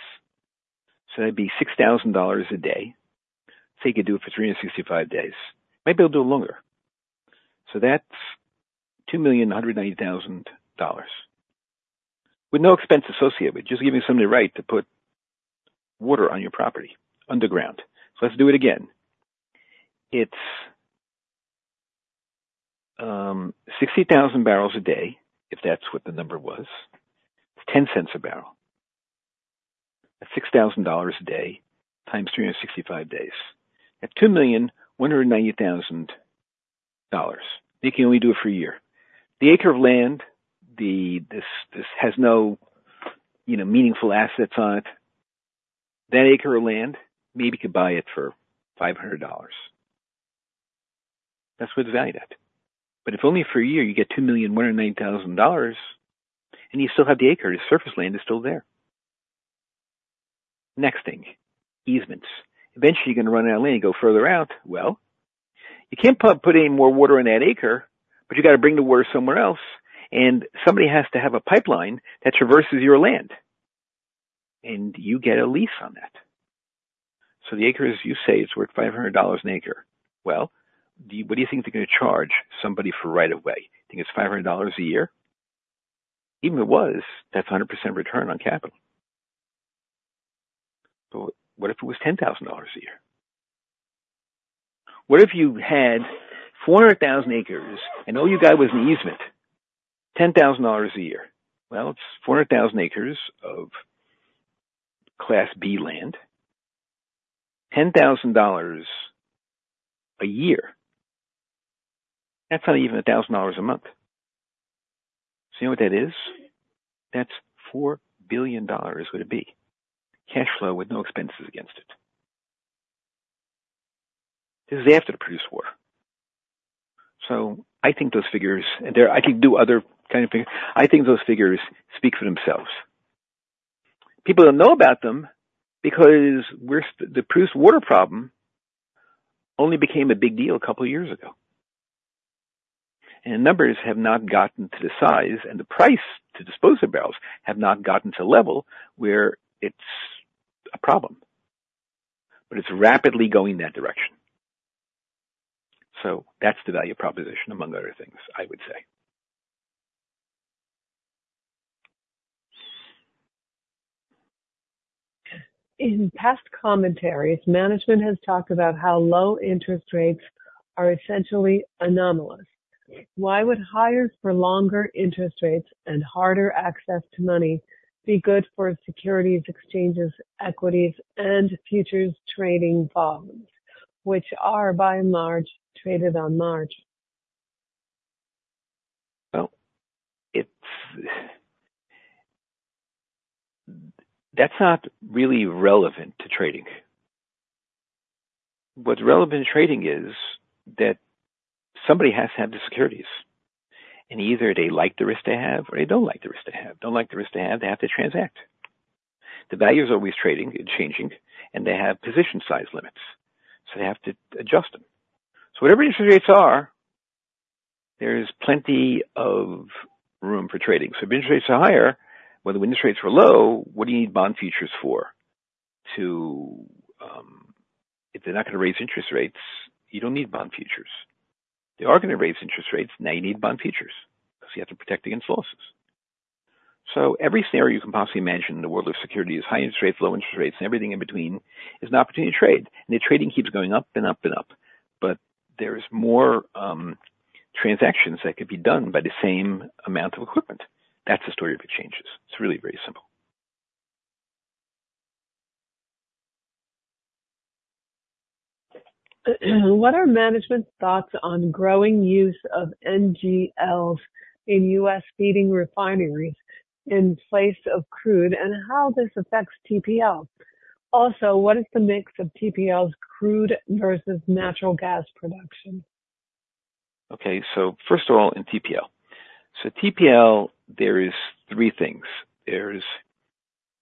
so that'd be $6,000 a day. So you could do it for 365 days. Maybe you'll do it longer. So that's $2.19 million with no expense associated with it. Just giving somebody the right to put water on your property underground. So let's do it again. It's 60,000 barrels a day, if that's what the number was, $0.10 a barrel. That's $6,000 a day times 365 days. At $2.19 million, you can only do it for a year. The acre of land, this has no, you know, meaningful assets on it. That acre of land, maybe you could buy it for $500. That's what it's valued at. But if only for a year, you get $2.19 million, and you still have the acre. The surface land is still there. Next thing, easements. Eventually, you're going to run out of land and go further out. Well, you can't put any more water on that acre, but you got to bring the water somewhere else, and somebody has to have a pipeline that traverses your land, and you get a lease on that. So the acres, you say it's worth $500 an acre. Well, what do you think they're going to charge somebody for right of way? You think it's $500 a year? Even if it was, that's a 100% return on capital. But what if it was $10,000 a year? What if you had 400,000 acres and all you got was an easement, $10,000 a year? Well, it's 400,000 acres of Class B land, $10,000 a year. That's not even $1,000 a month. So you know what that is? That's $4 billion, with a B, cash flow with no expenses against it. This is after the produced water. So I think those figures, and there, I could do other kind of figures. I think those figures speak for themselves. People don't know about them because we're—the produced water problem only became a big deal a couple of years ago, and the numbers have not gotten to the size and the price to dispose the barrels have not gotten to a level where it's a problem, but it's rapidly going in that direction. So that's the value proposition, among other things, I would say.
In past commentaries, management has talked about how low interest rates are essentially anomalous. Why would higher for longer interest rates and harder access to money be good for securities, exchanges, equities and futures trading volumes, which are by and large traded on margin?
That's not really relevant to trading. What's relevant to trading is that somebody has to have the securities, and either they like the risk they have or they don't like the risk they have. Don't like the risk they have, they have to transact. The value is always trading and changing, and they have position size limits, so they have to adjust them. So whatever interest rates are, there's plenty of room for trading. So if interest rates are higher, well, when the interest rates were low, what do you need bond futures for? To, if they're not gonna raise interest rates, you don't need bond futures. They are gonna raise interest rates, now you need bond futures because you have to protect against losses. So every scenario you can possibly imagine in the world of securities, high interest rates, low interest rates, and everything in between is an opportunity to trade, and the trading keeps going up and up and up. But there's more, transactions that could be done by the same amount of equipment. That's the story of the changes. It's really very simple.
What are management's thoughts on growing use of NGLs in U.S. feeding refineries in place of crude and how this affects TPL? Also, what is the mix of TPL's crude versus natural gas production?
Okay, so first of all, in TPL. So TPL, there are three things. There's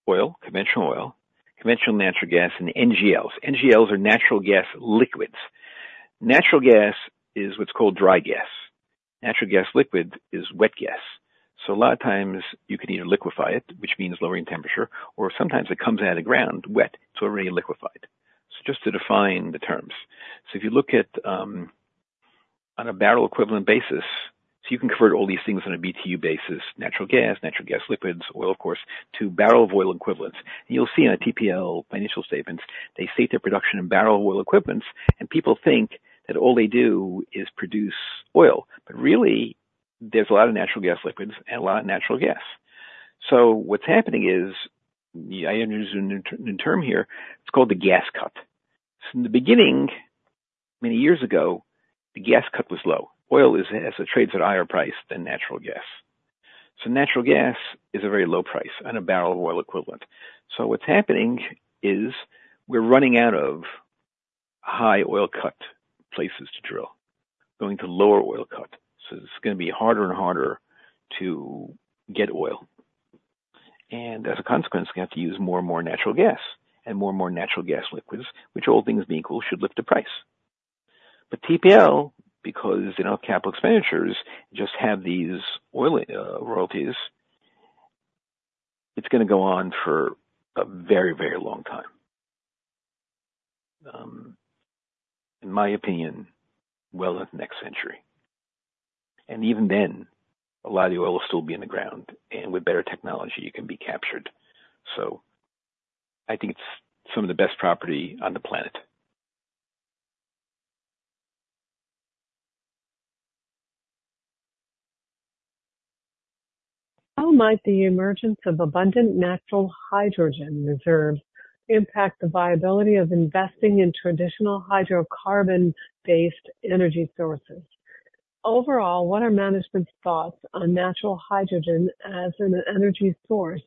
oil, conventional oil, conventional natural gas, and NGLs. NGLs are natural gas liquids. Natural gas is what's called dry gas. Natural gas liquids is wet gas. So a lot of times you can either liquefy it, which means lowering temperature, or sometimes it comes out of the ground wet, so already liquefied. So just to define the terms. So if you look at, on a barrel equivalent basis, so you can convert all these things on a BTU basis, natural gas, natural gas liquids, oil, of course, to barrel of oil equivalents. You'll see in a TPL financial statements, they state their production in barrel oil equivalents, and people think that all they do is produce oil. But really, there's a lot of natural gas liquids and a lot of natural gas. So what's happening is, I introduce a new, new term here. It's called the gas cut. So in the beginning, many years ago, the gas cut was low. Oil is, as it trades at a higher price than natural gas. So natural gas is a very low price on a barrel of oil equivalent. So what's happening is we're running out of high oil cut places to drill, going to lower oil cut. So it's gonna be harder and harder to get oil, and as a consequence, we have to use more and more natural gas and more and more natural gas liquids, which all things being equal, should lift the price. But TPL, because, you know, capital expenditures just have these oil royalties, it's gonna go on for a very, very long time. In my opinion, into the next century, and even then, a lot of the oil will still be in the ground, and with better technology, it can be captured. So I think it's some of the best property on the planet.
How might the emergence of abundant natural hydrogen reserves impact the viability of investing in traditional hydrocarbon-based energy sources? Overall, what are management's thoughts on natural hydrogen as an energy source,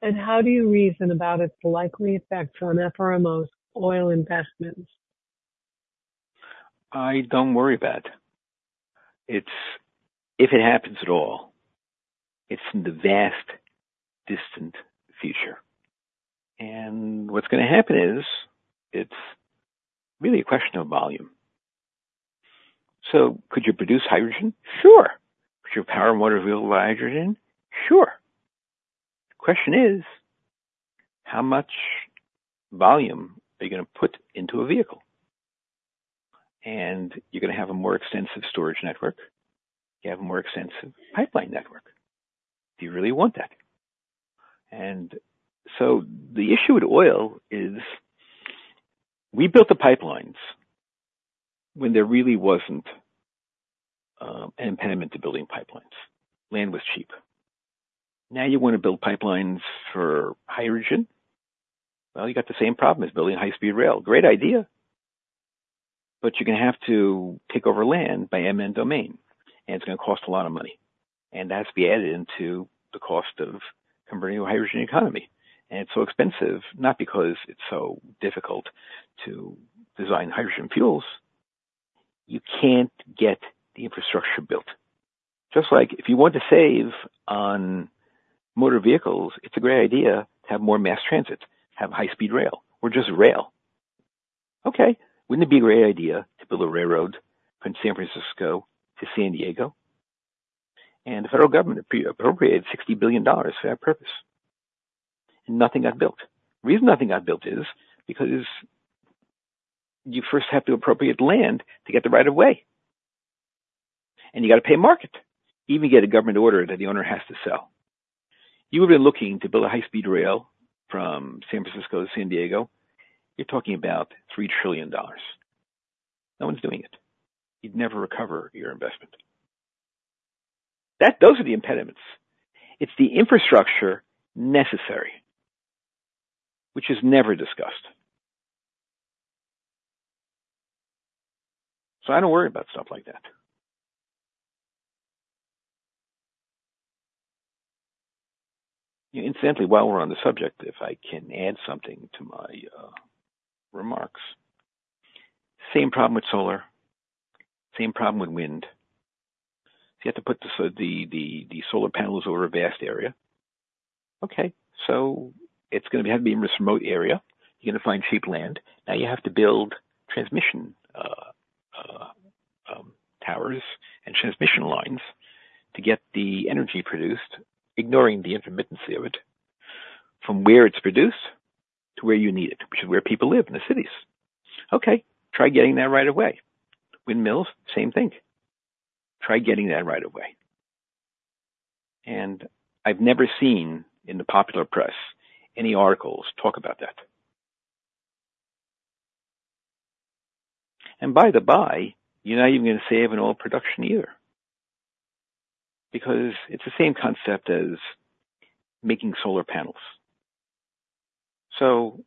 and how do you reason about its likely effects on FRMO's oil investments?
I don't worry about it. It's... If it happens at all, it's in the vast distant future, and what's gonna happen is it's really a question of volume. So could you produce hydrogen? Sure. Could you power a motor vehicle by hydrogen? Sure. The question is: how much volume are you gonna put into a vehicle? And you're gonna have a more extensive storage network. You have a more extensive pipeline network. Do you really want that? And so the issue with oil is we built the pipelines when there really wasn't an impediment to building pipelines. Land was cheap. Now you want to build pipelines for hydrogen? Well, you got the same problem as building high-speed rail. Great idea, but you're gonna have to take over land by eminent domain, and it's gonna cost a lot of money, and that'll be added into the cost of converting to a hydrogen economy. It's so expensive, not because it's so difficult to design hydrogen fuels. You can't get the infrastructure built. Just like if you want to save on motor vehicles, it's a great idea to have more mass transit, have high-speed rail or just rail. Okay. Wouldn't it be a great idea to build a railroad from San Francisco to San Diego? The federal government appropriated $60 billion for that purpose, and nothing got built. The reason nothing got built is because you first have to appropriate land to get the right of way, and you gotta pay market, even get a government order that the owner has to sell. You would be looking to build a high-speed rail from San Francisco to San Diego. You're talking about $3 trillion. No one's doing it. You'd never recover your investment. That. Those are the impediments. It's the infrastructure necessary, which is never discussed... So I don't worry about stuff like that. Incidentally, while we're on the subject, if I can add something to my remarks. Same problem with solar, same problem with wind. You have to put the solar panels over a vast area. Okay, so it's gonna have to be in this remote area. You're gonna find cheap land. Now you have to build transmission towers and transmission lines to get the energy produced, ignoring the intermittency of it, from where it's produced to where you need it, which is where people live, in the cities. Okay, try getting that right away. Windmills, same thing. Try getting that right away. And I've never seen in the popular press any articles talk about that. And by the by, you're not even gonna save an oil production year because it's the same concept as making solar panels. So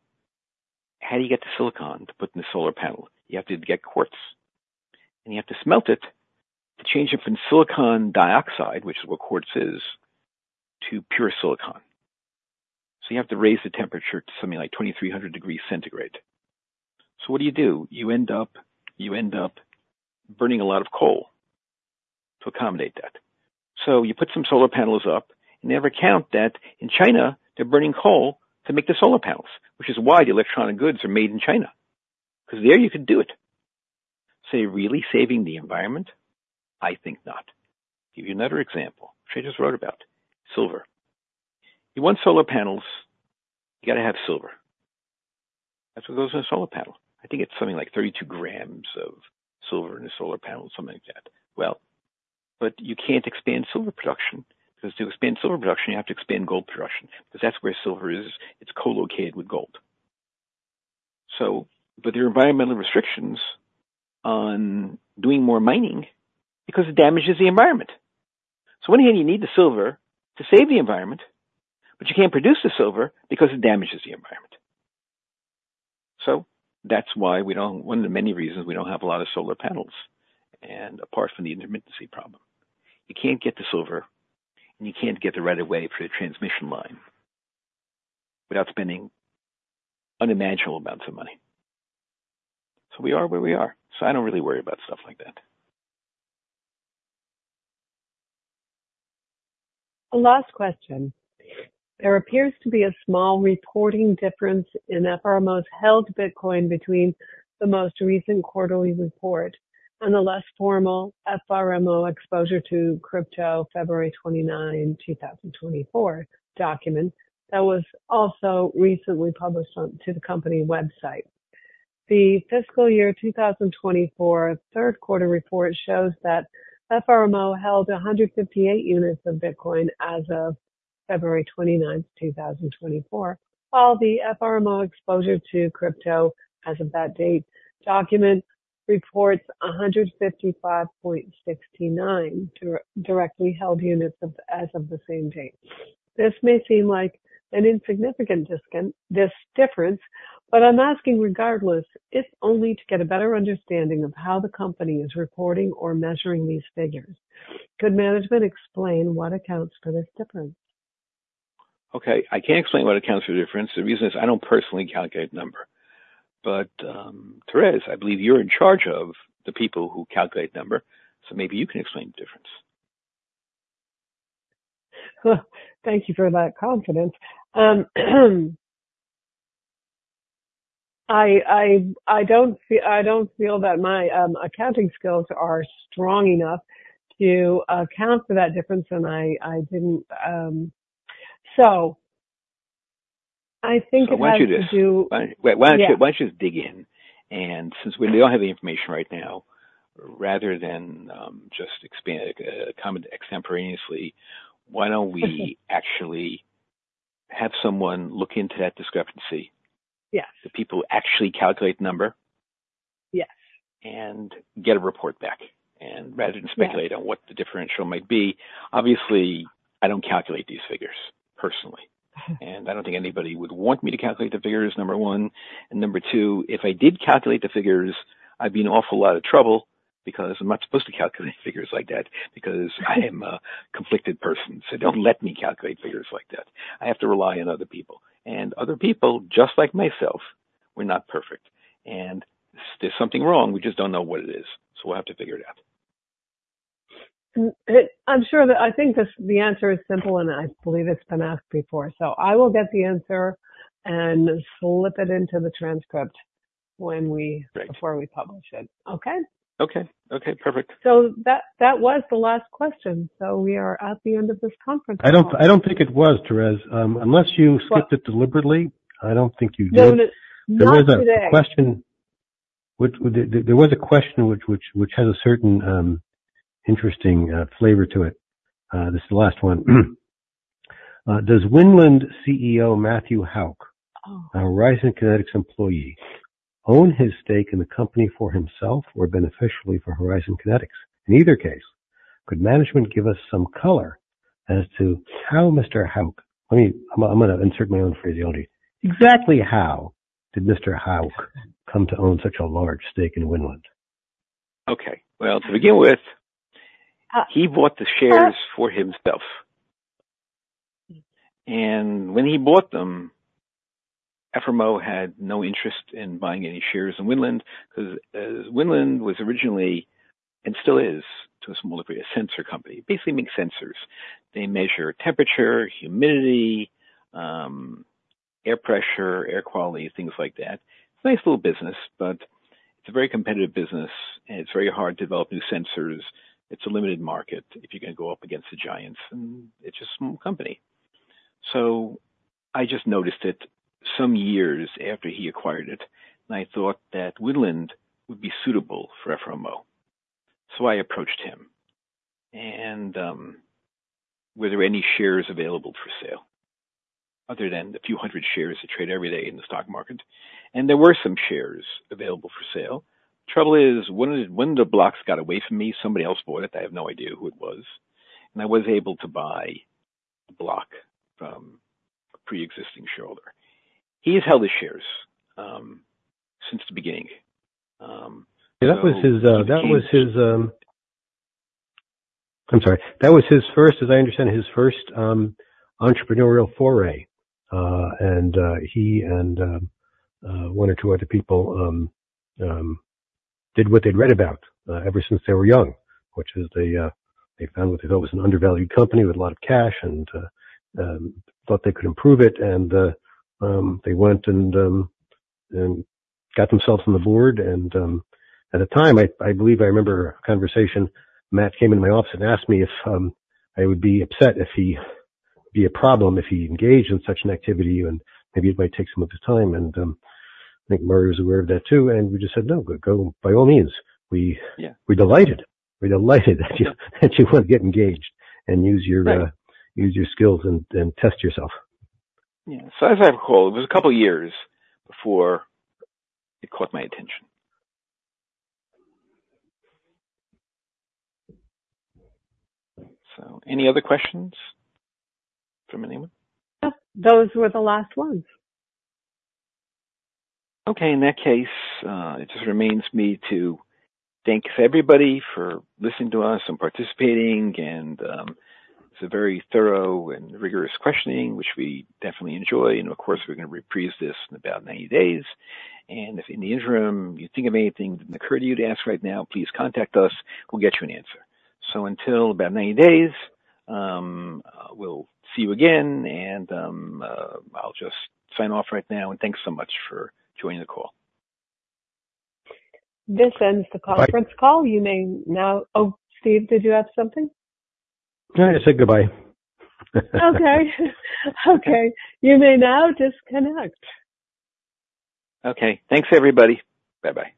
how do you get the silicon to put in the solar panel? You have to get quartz, and you have to smelt it to change it from silicon dioxide, which is what quartz is, to pure silicon. So you have to raise the temperature to something like 2,300 degrees centigrade. So what do you do? You end up, you end up burning a lot of coal to accommodate that. So you put some solar panels up and never count that in China, they're burning coal to make the solar panels, which is why the electronic goods are made in China, because there you can do it. So are you really saving the environment? I think not. Give you another example, which I just wrote about. Silver. You want solar panels, you gotta have silver. That's what goes in a solar panel. I think it's something like 32g of silver in a solar panel, something like that. Well, but you can't expand silver production, because to expand silver production, you have to expand gold production, because that's where silver is. It's co-located with gold. So but there are environmental restrictions on doing more mining because it damages the environment. So on one hand, you need the silver to save the environment, but you can't produce the silver because it damages the environment. So that's why we don't... One of the many reasons we don't have a lot of solar panels, and apart from the intermittency problem. You can't get the silver and you can't get the right of way for the transmission line without spending unimaginable amounts of money. So we are where we are, so I don't really worry about stuff like that.
A last question. There appears to be a small reporting difference in FRMO's held Bitcoin between the most recent quarterly report and the less formal FRMO exposure to crypto February 29, 2024 document that was also recently published onto the company website. The fiscal year 2024 Q3 report shows that FRMO held 158 units of Bitcoin as of February 29, 2024. While the FRMO exposure to crypto as of that date document reports 155.69 directly held units of Bitcoin as of the same date. This may seem like an insignificant discrepancy, this difference, but I'm asking regardless, if only to get a better understanding of how the company is reporting or measuring these figures. Could management explain what accounts for this difference?
Okay, I can't explain what accounts for the difference. The reason is I don't personally calculate number, but, Therese, I believe you're in charge of the people who calculate number, so maybe you can explain the difference.
Thank you for that confidence. I don't feel that my accounting skills are strong enough to account for that difference, and I didn't... So I think it has to do-
Wait. Why don't you, let's just dig in, and since we don't have the information right now, rather than just expand, comment extemporaneously, why don't we actually have someone look into that discrepancy?
Yes.
The people who actually calculate the number.
Yes.
And get a report back, and rather than speculate on what the differential might be. Obviously, I don't calculate these figures personally, and I don't think anybody would want me to calculate the figures, number one. And number two, if I did calculate the figures, I'd be in an awful lot of trouble because I'm not supposed to calculate figures like that, because I am a conflicted person. So don't let me calculate figures like that. I have to rely on other people, and other people, just like myself, we're not perfect and there's something wrong. We just don't know what it is, so we'll have to figure it out.
I'm sure that I think this, the answer is simple, and I believe it's been asked before, so I will get the answer and slip it into the transcript when we-
Great.
- before we publish it. Okay?
Okay. Okay, perfect.
So that, that was the last question. So we are at the end of this conference.
I don't, I don't think it was, Therese. Unless you skipped it deliberately, I don't think you did.
No, not today.
There was a question which has a certain interesting flavor to it. This is the last one. Does Winland CEO, Matthew Houk, a Horizon Kinetics employee, own his stake in the company for himself or beneficially for Horizon Kinetics? In either case could management give us some color as to how Mr. Houk-- I mean, I'm, I'm gonna insert my own phraseology. Exactly how did Mr. Hauck come to own such a large stake in Winland?
Okay. Well, to begin with, he bought the shares for himself. And when he bought them, FRMO had no interest in buying any shares in Winland, because Winland was originally, and still is, to a small degree, a sensor company. Basically, makes sensors. They measure temperature, humidity, air pressure, air quality, things like that. It's a nice little business, but it's a very competitive business, and it's very hard to develop new sensors. It's a limited market if you're gonna go up against the giants, and it's a small company. So I just noticed it some years after he acquired it, and I thought that Winland would be suitable for FRMO. So I approached him, and were there any shares available for sale other than the few hundred shares that trade every day in the stock market? And there were some shares available for sale. Trouble is, one of the, one of the blocks got away from me. Somebody else bought it. I have no idea who it was, and I was able to buy a block from a pre-existing shareholder. He's held the shares since the beginning, so-
I'm sorry. That was his first, as I understand, his first entrepreneurial foray. And he and one or two other people did what they'd read about ever since they were young, which is they found what they thought was an undervalued company with a lot of cash and thought they could improve it. And they went and got themselves on the board. And at the time, I believe I remember a conversation. Matt came into my office and asked me if I would be upset if he, be a problem if he engaged in such an activity, and maybe it might take some of his time. And I think Murray was aware of that, too, and we just said, "No, good. Go. By all means. We-
Yeah.
We're delighted. We're delighted that you want to get engaged and use your,
Right.
Use your skills and test yourself.
Yeah. So as I recall, it was a couple years before it caught my attention. So any other questions from anyone?
Those were the last ones.
Okay. In that case, it just remains me to thank everybody for listening to us and participating, and it's a very thorough and rigorous questioning, which we definitely enjoy. And of course, we're gonna reprise this in about 90 days. And if in the interim, you think of anything that didn't occur to you to ask right now, please contact us. We'll get you an answer. So until about 90 days, we'll see you again, and I'll just sign off right now, and thanks so much for joining the call.
This ends the conference call.
Bye.
You may now... Oh, Steve, did you have something?
No, I just said goodbye.
Okay. Okay, you may now disconnect.
Okay. Thanks, everybody. Bye-bye.
Bye.